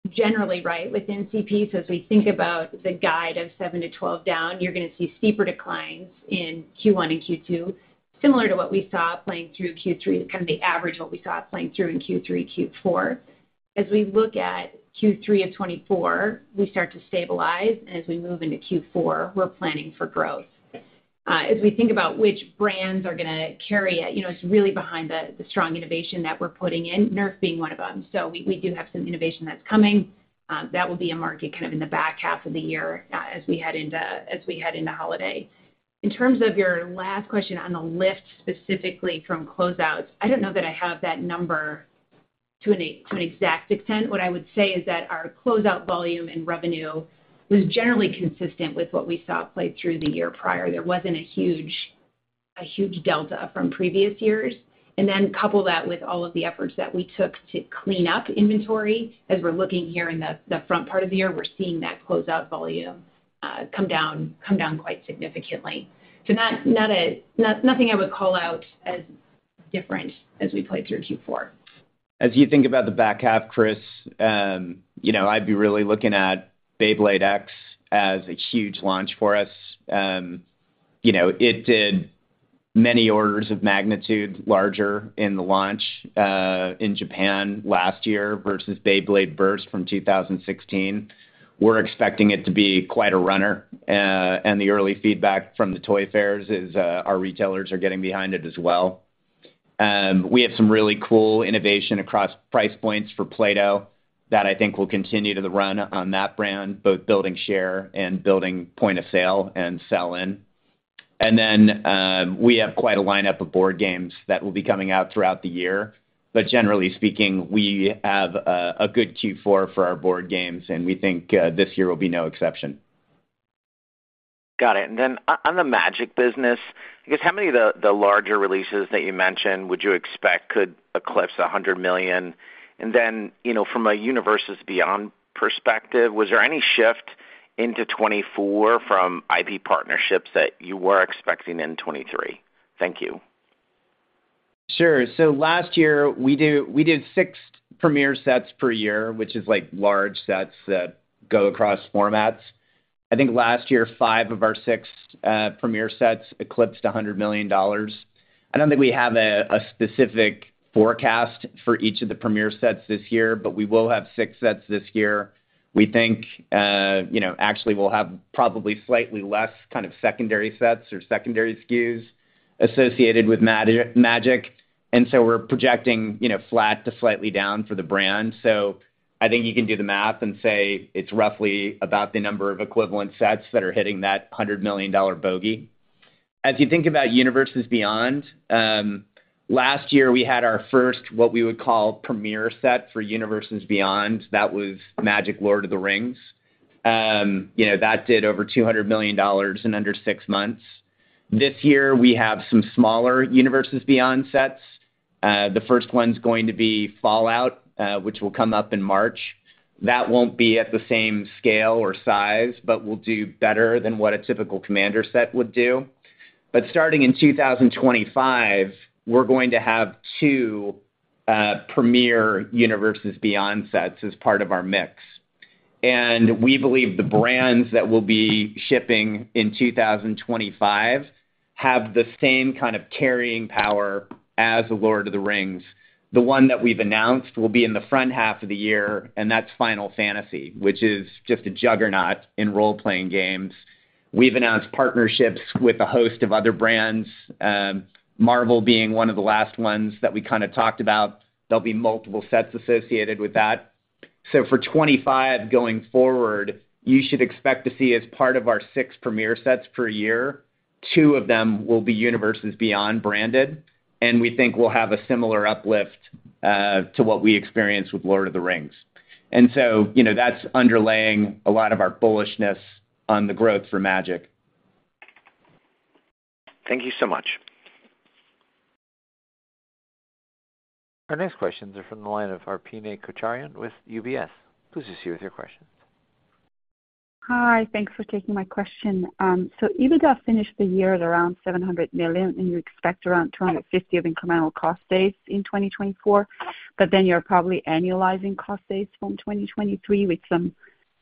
generally right within CPs. As we think about the guide of 7 to 12 down, you're going to see steeper declines in Q1 and Q2, similar to what we saw playing through Q3, kind of the average of what we saw playing through in Q3, Q4. As we look at Q3 of 2024, we start to stabilize, and as we move into Q4, we're planning for growth. As we think about which brands are going to carry it, you know, it's really behind the, the strong innovation that we're putting in, Nerf being one of them. So we, we do have some innovation that's coming. That will be a market kind of in the back half of the year, as we head into, as we head into holiday. In terms of your last question on the lift, specifically from closeouts, I don't know that I have that number to an exact extent. What I would say is that our closeout volume and revenue was generally consistent with what we saw play through the year prior. There wasn't a huge delta from previous years. And then couple that with all of the efforts that we took to clean up inventory. As we're looking here in the front part of the year, we're seeing that closeout volume come down quite significantly. So nothing I would call out as different as we played through Q4. As you think about the back half, Chris, you know, I'd be really looking at Beyblade X as a huge launch for us. You know, it did many orders of magnitude larger in the launch in Japan last year versus Beyblade Burst from 2016. We're expecting it to be quite a runner, and the early feedback from the toy fairs is our retailers are getting behind it as well. We have some really cool innovation across price points for Play-Doh that I think will continue to the run on that brand, both building share and building point of sale and sell-in. And then, we have quite a lineup of board games that will be coming out throughout the year. Generally speaking, we have a good Q4 for our board games, and we think this year will be no exception. Got it. And then on the Magic business, I guess how many of the, the larger releases that you mentioned would you expect could eclipse 100 million? And then, you know, from a Universes Beyond perspective, was there any shift into 2024 from IP partnerships that you were expecting in 2023? Thank you. Sure. So last year, we did six premier sets per year, which is, like, large sets that go across formats. I think last year, five of our six premier sets eclipsed $100 million. I don't think we have a specific forecast for each of the premier sets this year, but we will have six sets this year. We think, you know, actually, we'll have probably slightly less kind of secondary sets or secondary SKUs associated with Magic, and so we're projecting, you know, flat to slightly down for the brand. So I think you can do the math and say it's roughly about the number of equivalent sets that are hitting that $100 million bogey. As you think about Universes Beyond, last year, we had our first, what we would call, premier set for Universes Beyond. That was Magic: Lord of the Rings. You know, that did over $200 million in under six months. This year, we have some smaller Universes Beyond sets. The first one's going to be Fallout, which will come up in March. That won't be at the same scale or size, but will do better than what a typical Commander set would do. But starting in 2025, we're going to have two premier Universes Beyond sets as part of our mix. And we believe the brands that we'll be shipping in 2025 have the same kind of carrying power as The Lord of the Rings. The one that we've announced will be in the front half of the year, and that's Final Fantasy, which is just a juggernaut in role-playing games. We've announced partnerships with a host of other brands, Marvel being one of the last ones that we kind of talked about. There'll be multiple sets associated with that. So for 25, going forward, you should expect to see, as part of our six premier sets per year, two of them will be Universes Beyond branded, and we think we'll have a similar uplift to what we experienced with Lord of the Rings. And so, you know, that's underlying a lot of our bullishness on the growth for Magic. Thank you so much. Our next questions are from the line of Arpine Kocharyan with UBS. Please proceed with your questions. Hi, thanks for taking my question. So EBITDA finished the year at around $700 million, and you expect around $250 million of incremental cost base in 2024. But then you're probably annualizing cost base from 2023, with some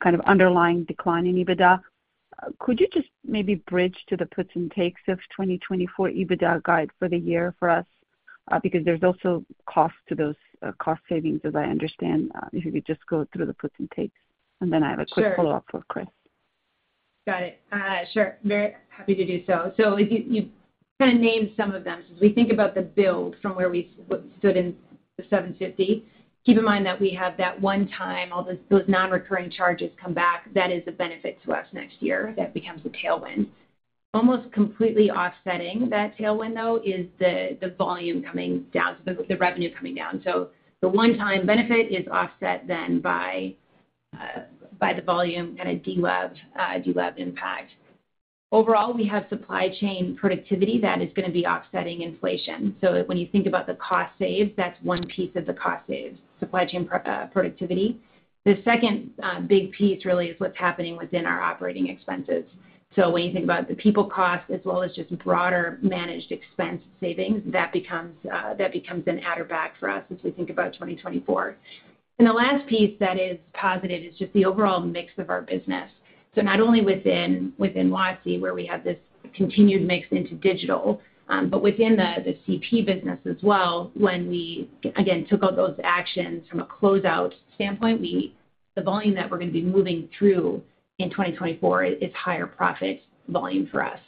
kind of underlying decline in EBITDA. Could you just maybe bridge to the puts and takes of 2024 EBITDA guide for the year for us? Because there's also costs to those, cost savings, as I understand. If you could just go through the puts and takes, and then I have a quick follow-up for Chris. Got it. Sure. Very happy to do so. So if you, you kind of named some of them. So as we think about the build from where we stood in the 750, keep in mind that we have that one-time, all those, those non-recurring charges come back. That is a benefit to us next year. That becomes a tailwind. Almost completely offsetting that tailwind, though, is the, the volume coming down, the, the revenue coming down. So the one-time benefit is offset then by, by the volume and a D&A, D&A impact. Overall, we have supply chain productivity that is going to be offsetting inflation. So when you think about the cost saved, that's one piece of the cost saved, supply chain productivity. The second, big piece really is what's happening within our operating expenses. So when you think about the people cost as well as just broader managed expense savings, that becomes, that becomes an adder back for us as we think about 2024. And the last piece that is positive is just the overall mix of our business. So not only within Wizards, where we have this continued mix into digital, but within the CP business as well, when we again took all those actions from a closeout standpoint, we, the volume that we're going to be moving through in 2024 is higher profit volume for us.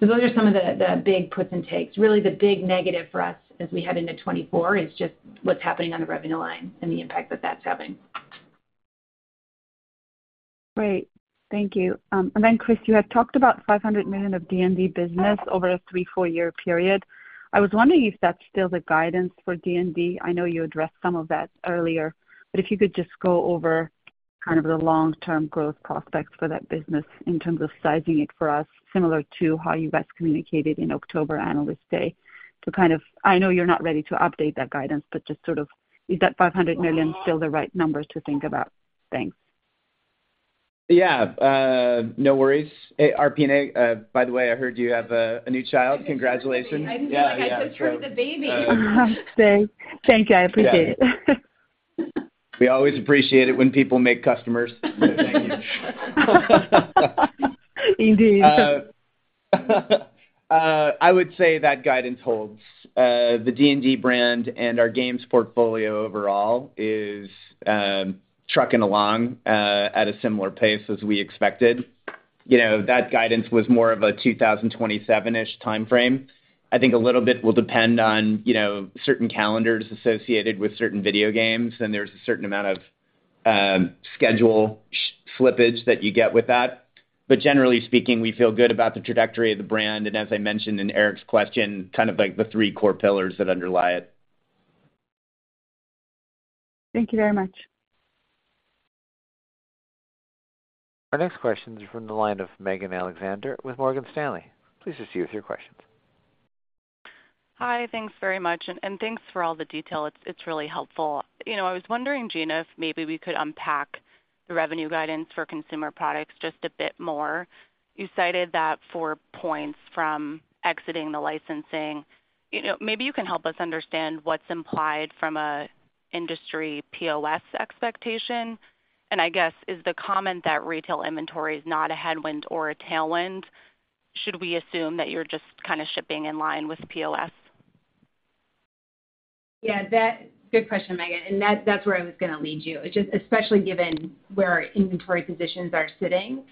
So those are some of the big puts and takes. Really, the big negative for us as we head into 2024 is just what's happening on the revenue line and the impact that that's having. Great. Thank you. And then, Chris, you had talked about $500 million of D&D business over a 3-4-year period. I was wondering if that's still the guidance for D&D. I know you addressed some of that earlier, but if you could just go over kind of the long-term growth prospects for that business in terms of sizing it for us, similar to how you guys communicated in October Analyst Day. To kind of—I know you're not ready to update that guidance, but just sort of, is that $500 million still the right number to think about? Thanks. Yeah, no worries. Hey, Arpine, by the way, I heard you have a new child. Congratulations! I do. Yeah, yeah, true. I just had the baby. Thanks. Thank you. I appreciate it. We always appreciate it when people make customers. Indeed. I would say that guidance holds. The D&D brand and our games portfolio overall is trucking along at a similar pace as we expected. You know, that guidance was more of a 2027-ish timeframe. I think a little bit will depend on, you know, certain calendars associated with certain video games, and there's a certain amount of schedule slippage that you get with that. But generally speaking, we feel good about the trajectory of the brand, and as I mentioned in Eric's question, kind of like the three core pillars that underlie it. Thank you very much. Our next question is from the line of Megan Alexander with Morgan Stanley. Please proceed with your questions. Hi, thanks very much. Thanks for all the detail. It's really helpful. You know, I was wondering, Gina, if maybe we could unpack the revenue guidance for consumer products just a bit more. You cited that four points from exiting the licensing. You know, maybe you can help us understand what's implied from an industry POS expectation. I guess, is the comment that retail inventory is not a headwind or a tailwind, should we assume that you're just kind of shipping in line with POS? Yeah, that... Good question, Megan, and that, that's where I was going to lead you. Just especially given where our inventory positions are sitting,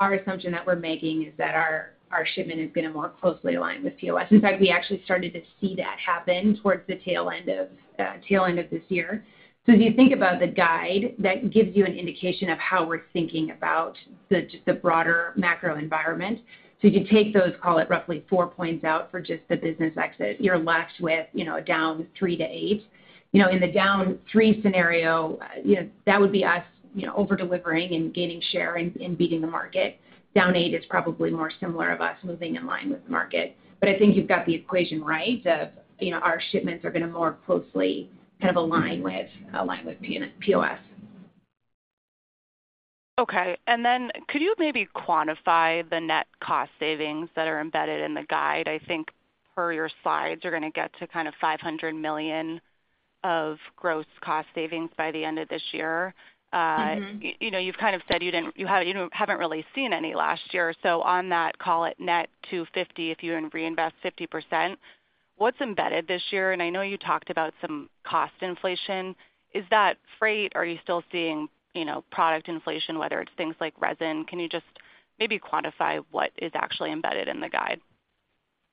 our assumption that we're making is that our, our shipment is going to more closely align with POS. In fact, we actually started to see that happen towards the tail end of this year. So if you think about the guide, that gives you an indication of how we're thinking about the, just the broader macro environment. So you take those, call it roughly 4 points out for just the business exit, you're left with, you know, a down 3 to 8. You know, in the down 3 scenario, you know, that would be us, you know, over-delivering and gaining share and, and beating the market. Down 8 is probably more similar of us moving in line with the market. But I think you've got the equation right, of, you know, our shipments are going to more closely kind of align with POS. Okay. And then could you maybe quantify the net cost savings that are embedded in the guide? I think per your slides, you're going to get to kind of $500 million of gross cost savings by the end of this year. Mm-hmm. You know, you've kind of said you haven't really seen any last year. So on that, call it net $250, if you then reinvest 50%, what's embedded this year? And I know you talked about some cost inflation. Is that freight, or are you still seeing, you know, product inflation, whether it's things like resin? Can you just maybe quantify what is actually embedded in the guide?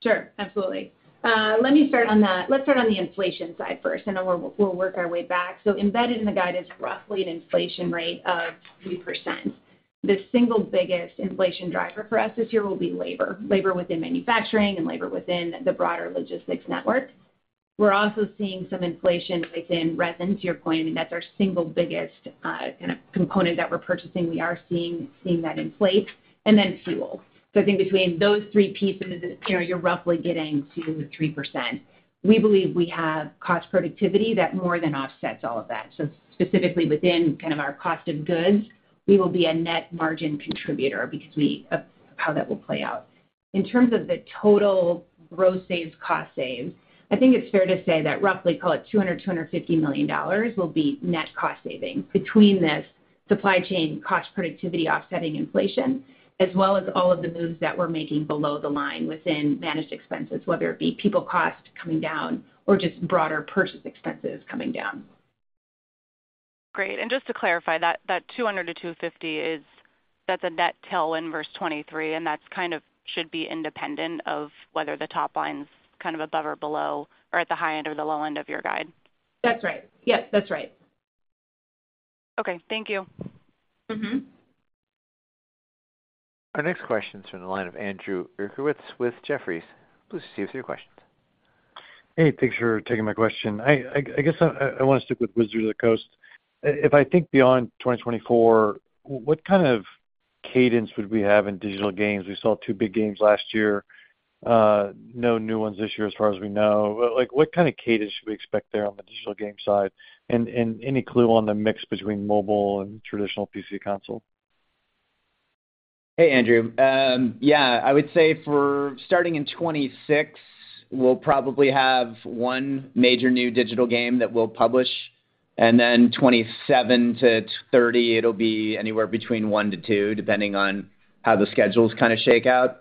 Sure, absolutely. Let me start on the—let's start on the inflation side first, and then we'll work our way back. So embedded in the guide is roughly an inflation rate of 2%. The single biggest inflation driver for us this year will be labor: labor within manufacturing and labor within the broader logistics network. We're also seeing some inflation within resin, to your point, and that's our single biggest kind of component that we're purchasing. We are seeing that inflate, and then fuel. So I think between those three pieces, you know, you're roughly getting to 3%. We believe we have cost productivity that more than offsets all of that. So specifically within kind of our cost of goods, we will be a net margin contributor because of how that will play out. In terms of the total gross savings, cost savings, I think it's fair to say that roughly, call it $200 million-$250 million will be net cost savings between the supply chain cost productivity offsetting inflation, as well as all of the moves that we're making below the line within managed expenses, whether it be people cost coming down or just broader purchase expenses coming down. Great. And just to clarify, that, that $200-$250 is... That's a net tailwind versus 2023, and that's kind of should be independent of whether the top line's kind of above or below or at the high end or the low end of your guide? That's right. Yes, that's right. Okay, thank you. Mm-hmm. Our next question is from the line of Andrew Uerkwitz with Jefferies. Please proceed with your questions. Hey, thanks for taking my question. I guess I want to stick with Wizards of the Coast. If I think beyond 2024, what kind of cadence would we have in digital games? We saw 2 big games last year, no new ones this year, as far as we know. But, like, what kind of cadence should we expect there on the digital game side? And any clue on the mix between mobile and traditional PC console? Hey, Andrew. Yeah, I would say for starting in 2026, we'll probably have one major new digital game that we'll publish, and then 2027-2030, it'll be anywhere between 1-2, depending on how the schedules kind of shake out.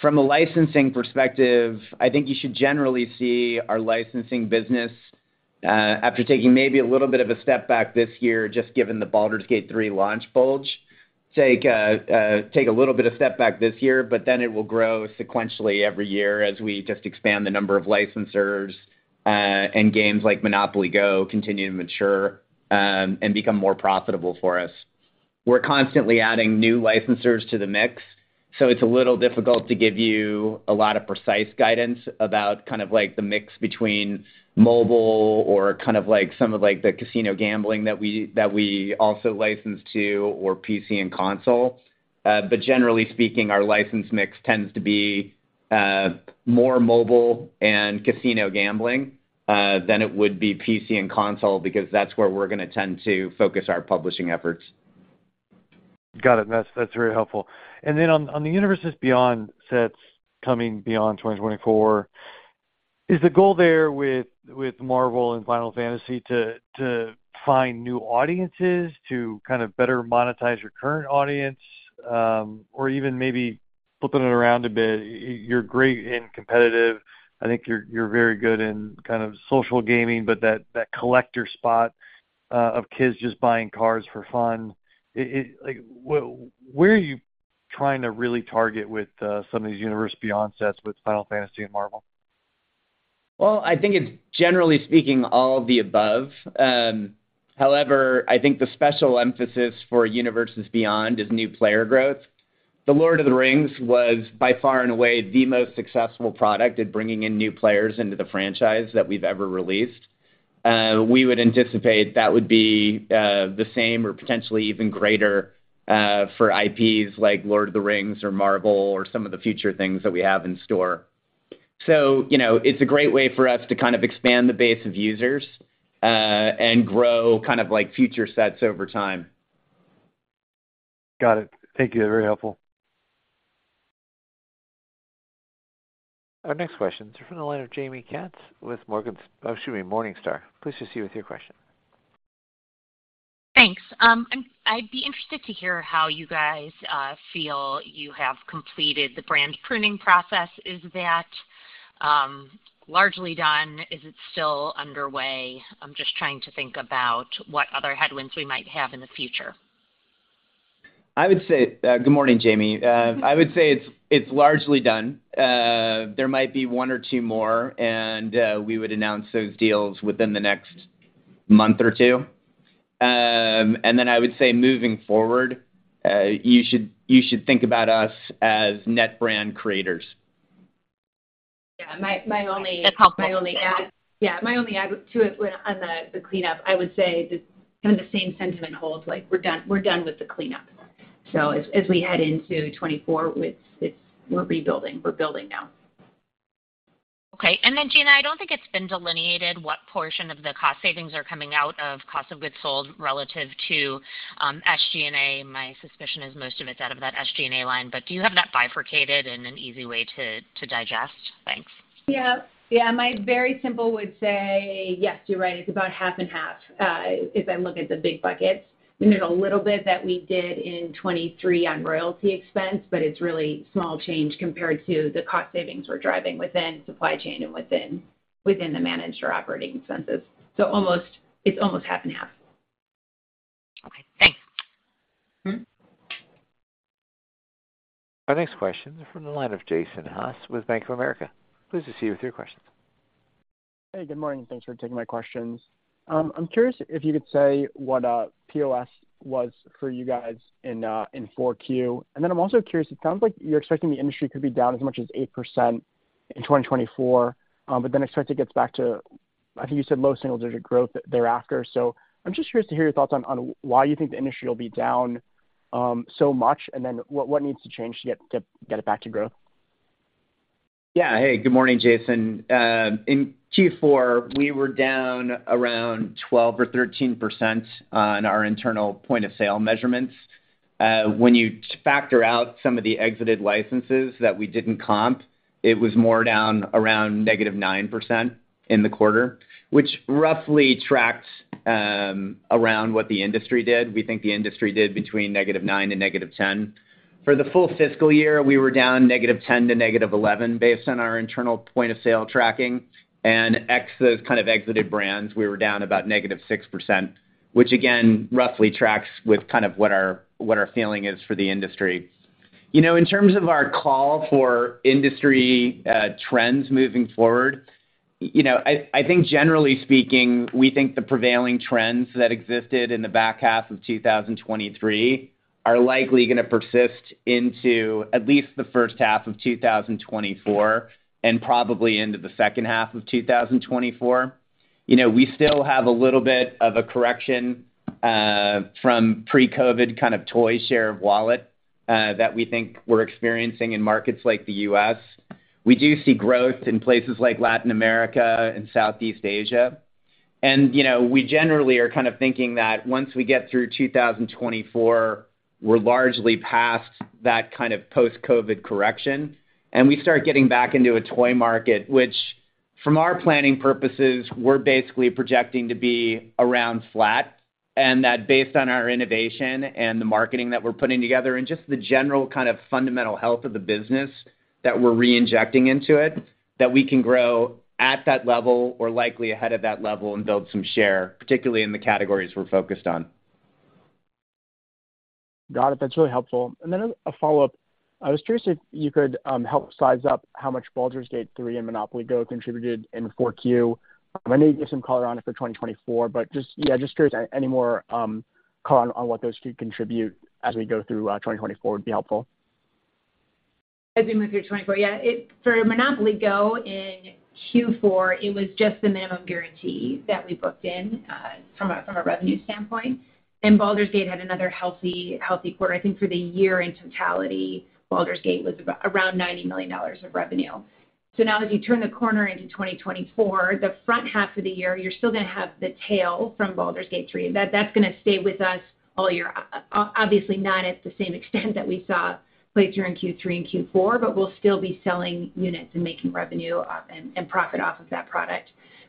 From a licensing perspective, I think you should generally see our licensing business, after taking maybe a little bit of a step back this year, just given the Baldur's Gate 3 launch bulge, take a little bit of a step back this year, but then it will grow sequentially every year as we just expand the number of licensors, and games like Monopoly GO! continue to mature, and become more profitable for us. We're constantly adding new licensors to the mix, so it's a little difficult to give you a lot of precise guidance about kind of like the mix between mobile or kind of like some of like the casino gambling that we also license to, or PC and console. But generally speaking, our license mix tends to be more mobile and casino gambling than it would be PC and console, because that's where we're going to tend to focus our publishing efforts. Got it. That's, that's very helpful. And then on, on the Universes Beyond sets coming beyond 2024, is the goal there with, with Marvel and Final Fantasy to, to find new audiences, to kind of better monetize your current audience, or even maybe flipping it around a bit, y- you're great in competitive. I think you're, you're very good in kind of social gaming, but that, that collector spot, of kids just buying cards for fun. It, it like, wh- where are you trying to really target with, some of these Universes Beyond sets with Final Fantasy and Marvel? Well, I think it's, generally speaking, all of the above. However, I think the special emphasis for Universes Beyond is new player growth. The Lord of the Rings was by far and away, the most successful product at bringing in new players into the franchise that we've ever released. We would anticipate that would be the same or potentially even greater for IPs like Lord of the Rings or Marvel or some of the future things that we have in store. So, you know, it's a great way for us to kind of expand the base of users and grow kind of like future sets over time. Got it. Thank you. Very helpful. Our next question is from the line of Jamie Katz with Morgan-- oh, excuse me, Morningstar. Please proceed with your question. Thanks. I'd be interested to hear how you guys feel you have completed the brand pruning process. Is that largely done? Is it still underway? I'm just trying to think about what other headwinds we might have in the future. I would say... good morning, Jamie. I would say it's largely done. There might be one or two more, and we would announce those deals within the next month or two. And then I would say moving forward, you should think about us as net brand creators. Yeah, my only- That's helpful. My only add to it on the cleanup, I would say that kind of the same sentiment holds, like we're done, we're done with the cleanup. So as we head into 2024, it's, it's, we're rebuilding. We're building now. Okay. And then, Gina, I don't think it's been delineated what portion of the cost savings are coming out of cost of goods sold relative to SG&A. My suspicion is most of it's out of that SG&A line, but do you have that bifurcated in an easy way to digest?... Yeah, yeah, my very simple would say, yes, you're right. It's about half and half, if I look at the big buckets, and there's a little bit that we did in 2023 on royalty expense, but it's really small change compared to the cost savings we're driving within supply chain and within the managed or operating expenses. So almost, it's almost half and half. Okay, thanks. Mm-hmm. Our next question is from the line of Jason Haas with Bank of America. Please proceed with your question. Hey, good morning, and thanks for taking my questions. I'm curious if you could say what POS was for you guys in Q4? And then I'm also curious, it sounds like you're expecting the industry to be down as much as 8% in 2024, but then expect to get back to, I think you said, low single digit growth thereafter. So I'm just curious to hear your thoughts on why you think the industry will be down so much, and then what needs to change to get it back to growth? Yeah. Hey, good morning, Jason. In Q4, we were down around 12 or 13% on our internal point of sale measurements. When you factor out some of the exited licenses that we didn't comp, it was more down around -9% in the quarter, which roughly tracks around what the industry did. We think the industry did between -9% and -10%. For the full fiscal year, we were down -10% to -11% based on our internal point of sale tracking, and excluding those kind of exited brands, we were down about -6%, which again, roughly tracks with kind of what our, what our feeling is for the industry. You know, in terms of our call for industry trends moving forward, you know, I think generally speaking, we think the prevailing trends that existed in the back half of 2023 are likely going to persist into at least the first half of 2024 and probably into the second half of 2024. You know, we still have a little bit of a correction from pre-COVID kind of toy share of wallet that we think we're experiencing in markets like the US. We do see growth in places like Latin America and Southeast Asia. And, you know, we generally are kind of thinking that once we get through 2024, we're largely past that kind of post-COVID correction, and we start getting back into a toy market, which from our planning purposes, we're basically projecting to be around flat. That based on our innovation and the marketing that we're putting together and just the general kind of fundamental health of the business that we're reinjecting into it, that we can grow at that level or likely ahead of that level and build some share, particularly in the categories we're focused on. Got it. That's really helpful. And then a follow-up. I was curious if you could help size up how much Baldur's Gate 3 and Monopoly GO! contributed in Q4. I know you gave some color on it for 2024, but just, yeah, just curious, any more color on what those two contribute as we go through 2024 would be helpful. As we move through 2024. Yeah, for Monopoly GO! in Q4, it was just the minimum guarantee that we booked in, from a revenue standpoint, and Baldur's Gate had another healthy, healthy quarter. I think for the year, in totality, Baldur's Gate was around $90 million of revenue. So now as you turn the corner into 2024, the front half of the year, you're still going to have the tail from Baldur's Gate 3. That, that's going to stay with us all year. Obviously, not at the same extent that we saw played during Q3 and Q4, but we'll still be selling units and making revenue, and, and profit off of that product.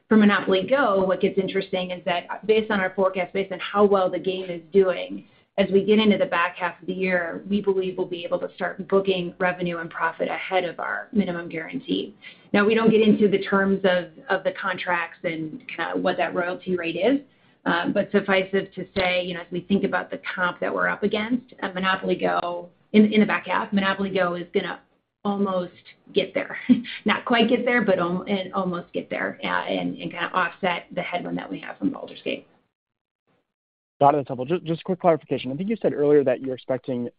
For Monopoly GO!, what gets interesting is that based on our forecast, based on how well the game is doing, as we get into the back half of the year, we believe we'll be able to start booking revenue and profit ahead of our minimum guarantee. Now, we don't get into the terms of the contracts and kinda what that royalty rate is, but suffice it to say, you know, as we think about the comp that we're up against, Monopoly GO! in the back half, Monopoly GO! is going to almost get there. Not quite get there, but almost get there, and kind of offset the headwind that we have from Baldur's Gate 3. Got it. That's helpful. Just a quick clarification. I think you said earlier that you're expecting.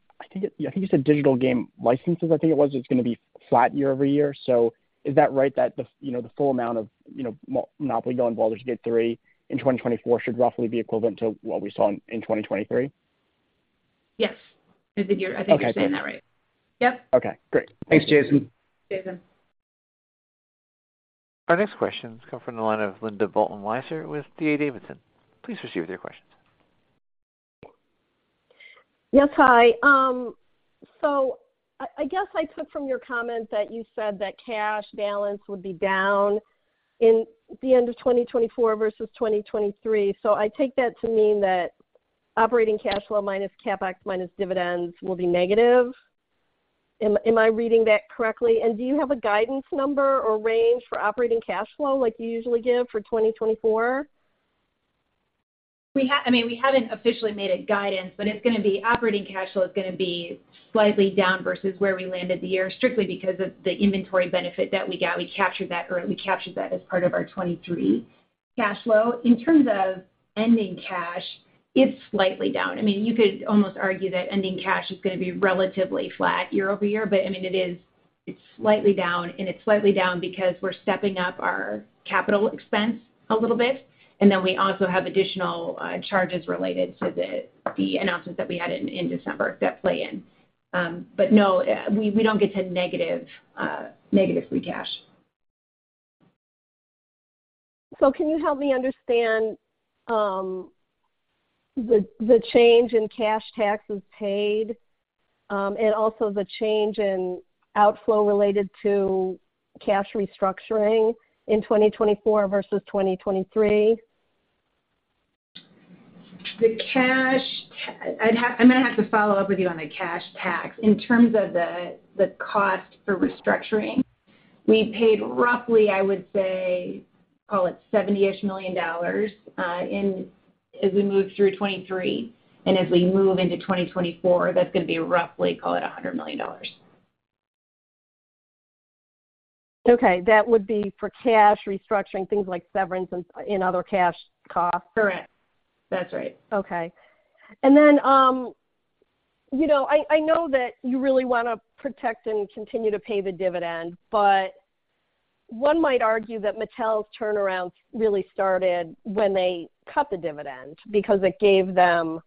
Yeah, I think you said digital game licenses, it's going to be flat year-over-year. So is that right, that the, you know, the full amount of, you know, Monopoly GO! and Baldur's Gate 3 in 2024 should roughly be equivalent to what we saw in 2023? Yes. This year, I think you're saying that right. Okay. Yep. Okay, great. Thanks, Jason. Jason. Our next question comes from the line of Linda Bolton Weiser with D.A. Davidson. Please proceed with your question. Yes, hi. So I guess I took from your comments that you said that cash balance would be down at the end of 2024 versus 2023. So I take that to mean that operating cash flow minus CapEx minus dividends will be negative. Am I reading that correctly? And do you have a guidance number or range for operating cash flow like you usually give for 2024? We, I mean, we haven't officially made a guidance, but it's going to be operating cash flow is going to be slightly down versus where we landed the year, strictly because of the inventory benefit that we got. We captured that, or we captured that as part of our 2023 cash flow. In terms of ending cash, it's slightly down. I mean, you could almost argue that ending cash is going to be relatively flat year-over-year, but I mean, it is, it's slightly down, and it's slightly down because we're stepping up our capital expense a little bit, and then we also have additional charges related to the announcements that we had in December that play in. But no, we don't get to negative free cash. Can you help me understand the change in cash taxes paid, and also the change in outflow related to cash restructuring in 2024 versus 2023? The cash, I'd have—I'm gonna have to follow up with you on the cash tax. In terms of the cost for restructuring, we paid roughly, I would say, call it $70-ish million in as we moved through 2023. And as we move into 2024, that's gonna be roughly, call it $100 million. Okay, that would be for cash restructuring, things like severance and other cash costs? Correct. That's right. Okay. And then, you know, I, I know that you really wanna protect and continue to pay the dividend, but one might argue that Mattel's turnaround really started when they cut the dividend because it gave them,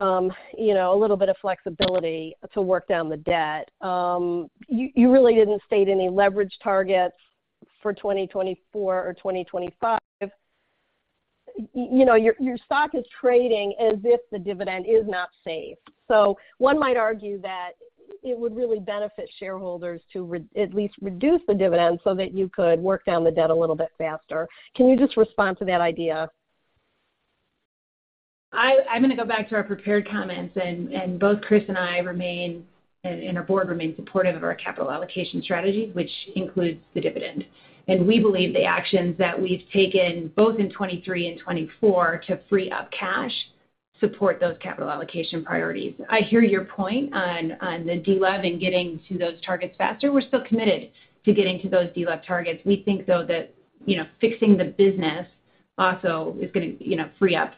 you know, a little bit of flexibility to work down the debt. You, you really didn't state any leverage targets for 2024 or 2025. You know, your, your stock is trading as if the dividend is not safe. So one might argue that it would really benefit shareholders to re- at least reduce the dividend so that you could work down the debt a little bit faster. Can you just respond to that idea? I'm gonna go back to our prepared comments, and both Chris and I remain, and our board remain supportive of our capital allocation strategy, which includes the dividend. We believe the actions that we've taken, both in 2023 and 2024, to free up cash, support those capital allocation priorities. I hear your point on the DE- and getting to those targets faster. We're still committed to getting to those DLEV targets. We think, though, that, you know, fixing the business also is gonna, you know, free up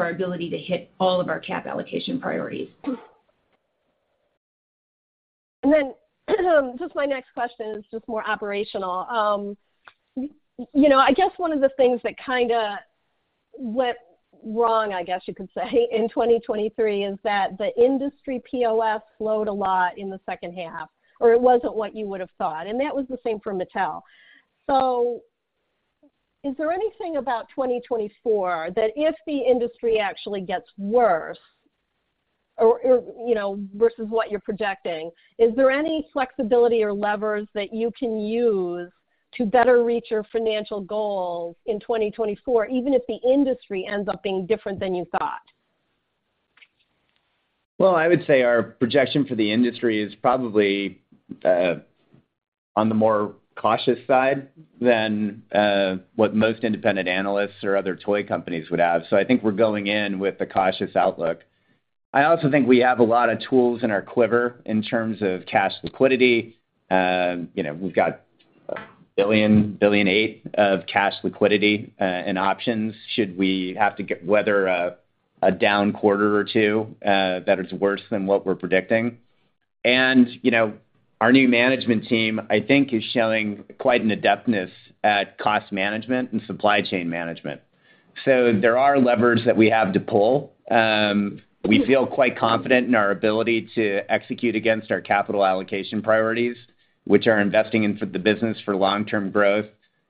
our ability to hit all of our cap allocation priorities. And then, just my next question is just more operational. You know, I guess one of the things that kinda went wrong, I guess you could say, in 2023, is that the industry POS slowed a lot in the second half, or it wasn't what you would have thought, and that was the same for Mattel. So is there anything about 2024 that if the industry actually gets worse or, you know, versus what you're projecting, is there any flexibility or levers that you can use to better reach your financial goals in 2024, even if the industry ends up being different than you thought? Well, I would say our projection for the industry is probably on the more cautious side than what most independent analysts or other toy companies would have. So I think we're going in with a cautious outlook. I also think we have a lot of tools in our quiver in terms of cash liquidity. You know, we've got $1.8 billion of cash liquidity and options, should we have to weather a down quarter or two that is worse than what we're predicting. And, you know, our new management team, I think, is showing quite an adeptness at cost management and supply chain management. So there are levers that we have to pull. We feel quite confident in our ability to execute against our capital allocation priorities, which are investing in for the business for long-term growth,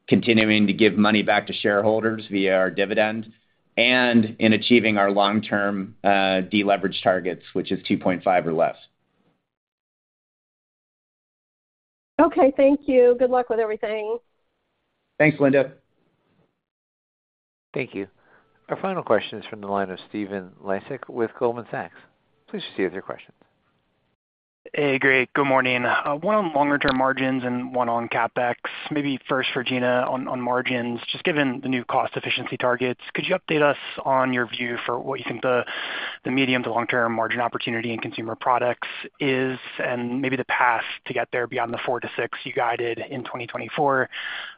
continuing to give money back to shareholders via our dividend, and in achieving our long-term deleverage targets, which is 2.5 or less. Okay, thank you. Good luck with everything. Thanks, Linda. Thank you. Our final question is from the line of Stephen Laszczyk with Goldman Sachs. Please proceed with your questions. Hey, great. Good morning. One on longer-term margins and one on CapEx. Maybe first for Gina on margins. Just given the new cost efficiency targets, could you update us on your view for what you think the medium- to long-term margin opportunity in consumer products is, and maybe the path to get there beyond the 4-6 you guided in 2024?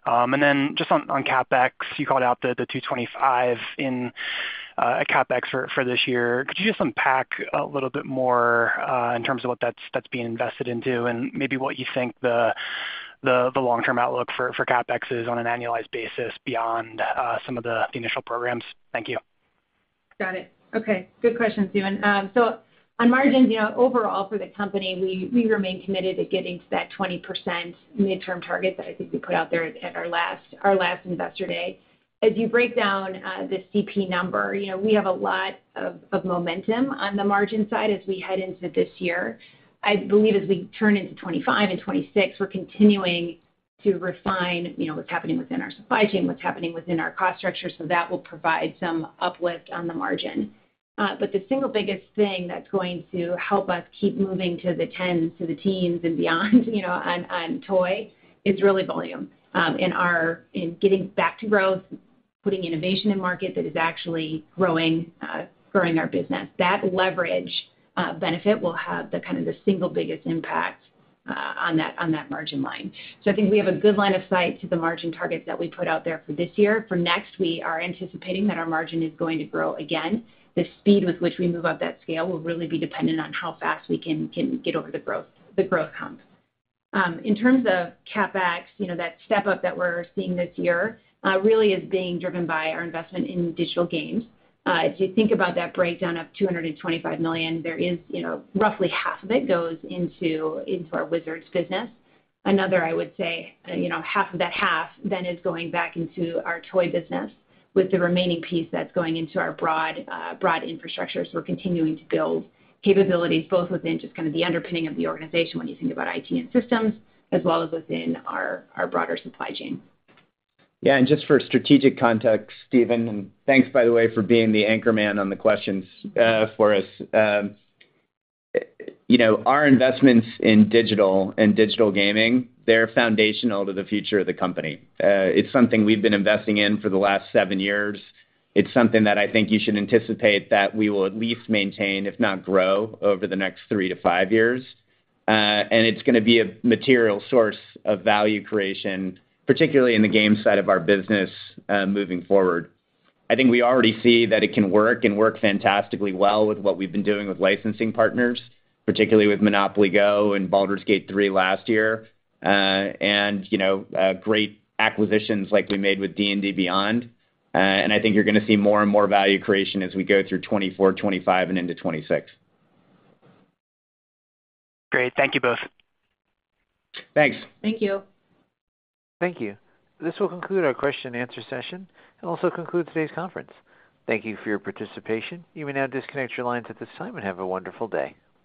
And then just on CapEx, you called out the 225 in CapEx for this year. Could you just unpack a little bit more in terms of what that's being invested into and maybe what you think the long-term outlook for CapEx is on an annualized basis beyond some of the initial programs? Thank you. Got it. Okay, good question, Steven. So on margins, you know, overall for the company, we, we remain committed to getting to that 20% midterm target that I think we put out there at our last, our last investor day. As you break down the CP number, you know, we have a lot of, of momentum on the margin side as we head into this year. I believe as we turn into 2025 and 2026, we're continuing to refine, you know, what's happening within our supply chain, what's happening within our cost structure, so that will provide some uplift on the margin. But the single biggest thing that's going to help us keep moving to the tens, to the teens and beyond, you know, on, on toy, is really volume. And our in getting back to growth, putting innovation in market that is actually growing, growing our business. That leverage benefit will have the kind of the single biggest impact on that margin line. So I think we have a good line of sight to the margin targets that we put out there for this year. For next, we are anticipating that our margin is going to grow again. The speed with which we move up that scale will really be dependent on how fast we can get over the growth hump. In terms of CapEx, you know, that step up that we're seeing this year really is being driven by our investment in digital games. If you think about that breakdown of $225 million, there is, you know, roughly half of it goes into our Wizards business. Another, I would say, you know, half of that half then is going back into our toy business, with the remaining piece that's going into our broad infrastructure. So we're continuing to build capabilities both within just kind of the underpinning of the organization when you think about IT and systems, as well as within our broader supply chain. Yeah, and just for strategic context, Steven, and thanks, by the way, for being the anchorman on the questions, for us. You know, our investments in digital and digital gaming, they're foundational to the future of the company. It's something we've been investing in for the last 7 years. It's something that I think you should anticipate that we will at least maintain, if not grow, over the next 3-5 years. And it's gonna be a material source of value creation, particularly in the game side of our business, moving forward. I think we already see that it can work and work fantastically well with what we've been doing with licensing partners, particularly with Monopoly GO! and Baldur's Gate 3 last year. you know, great acquisitions like we made with D&D Beyond, and I think you're gonna see more and more value creation as we go through 2024, 2025 and into 2026. Great. Thank you both. Thanks. Thank you. Thank you. This will conclude our question and answer session and also conclude today's conference. Thank you for your participation. You may now disconnect your lines at this time and have a wonderful day.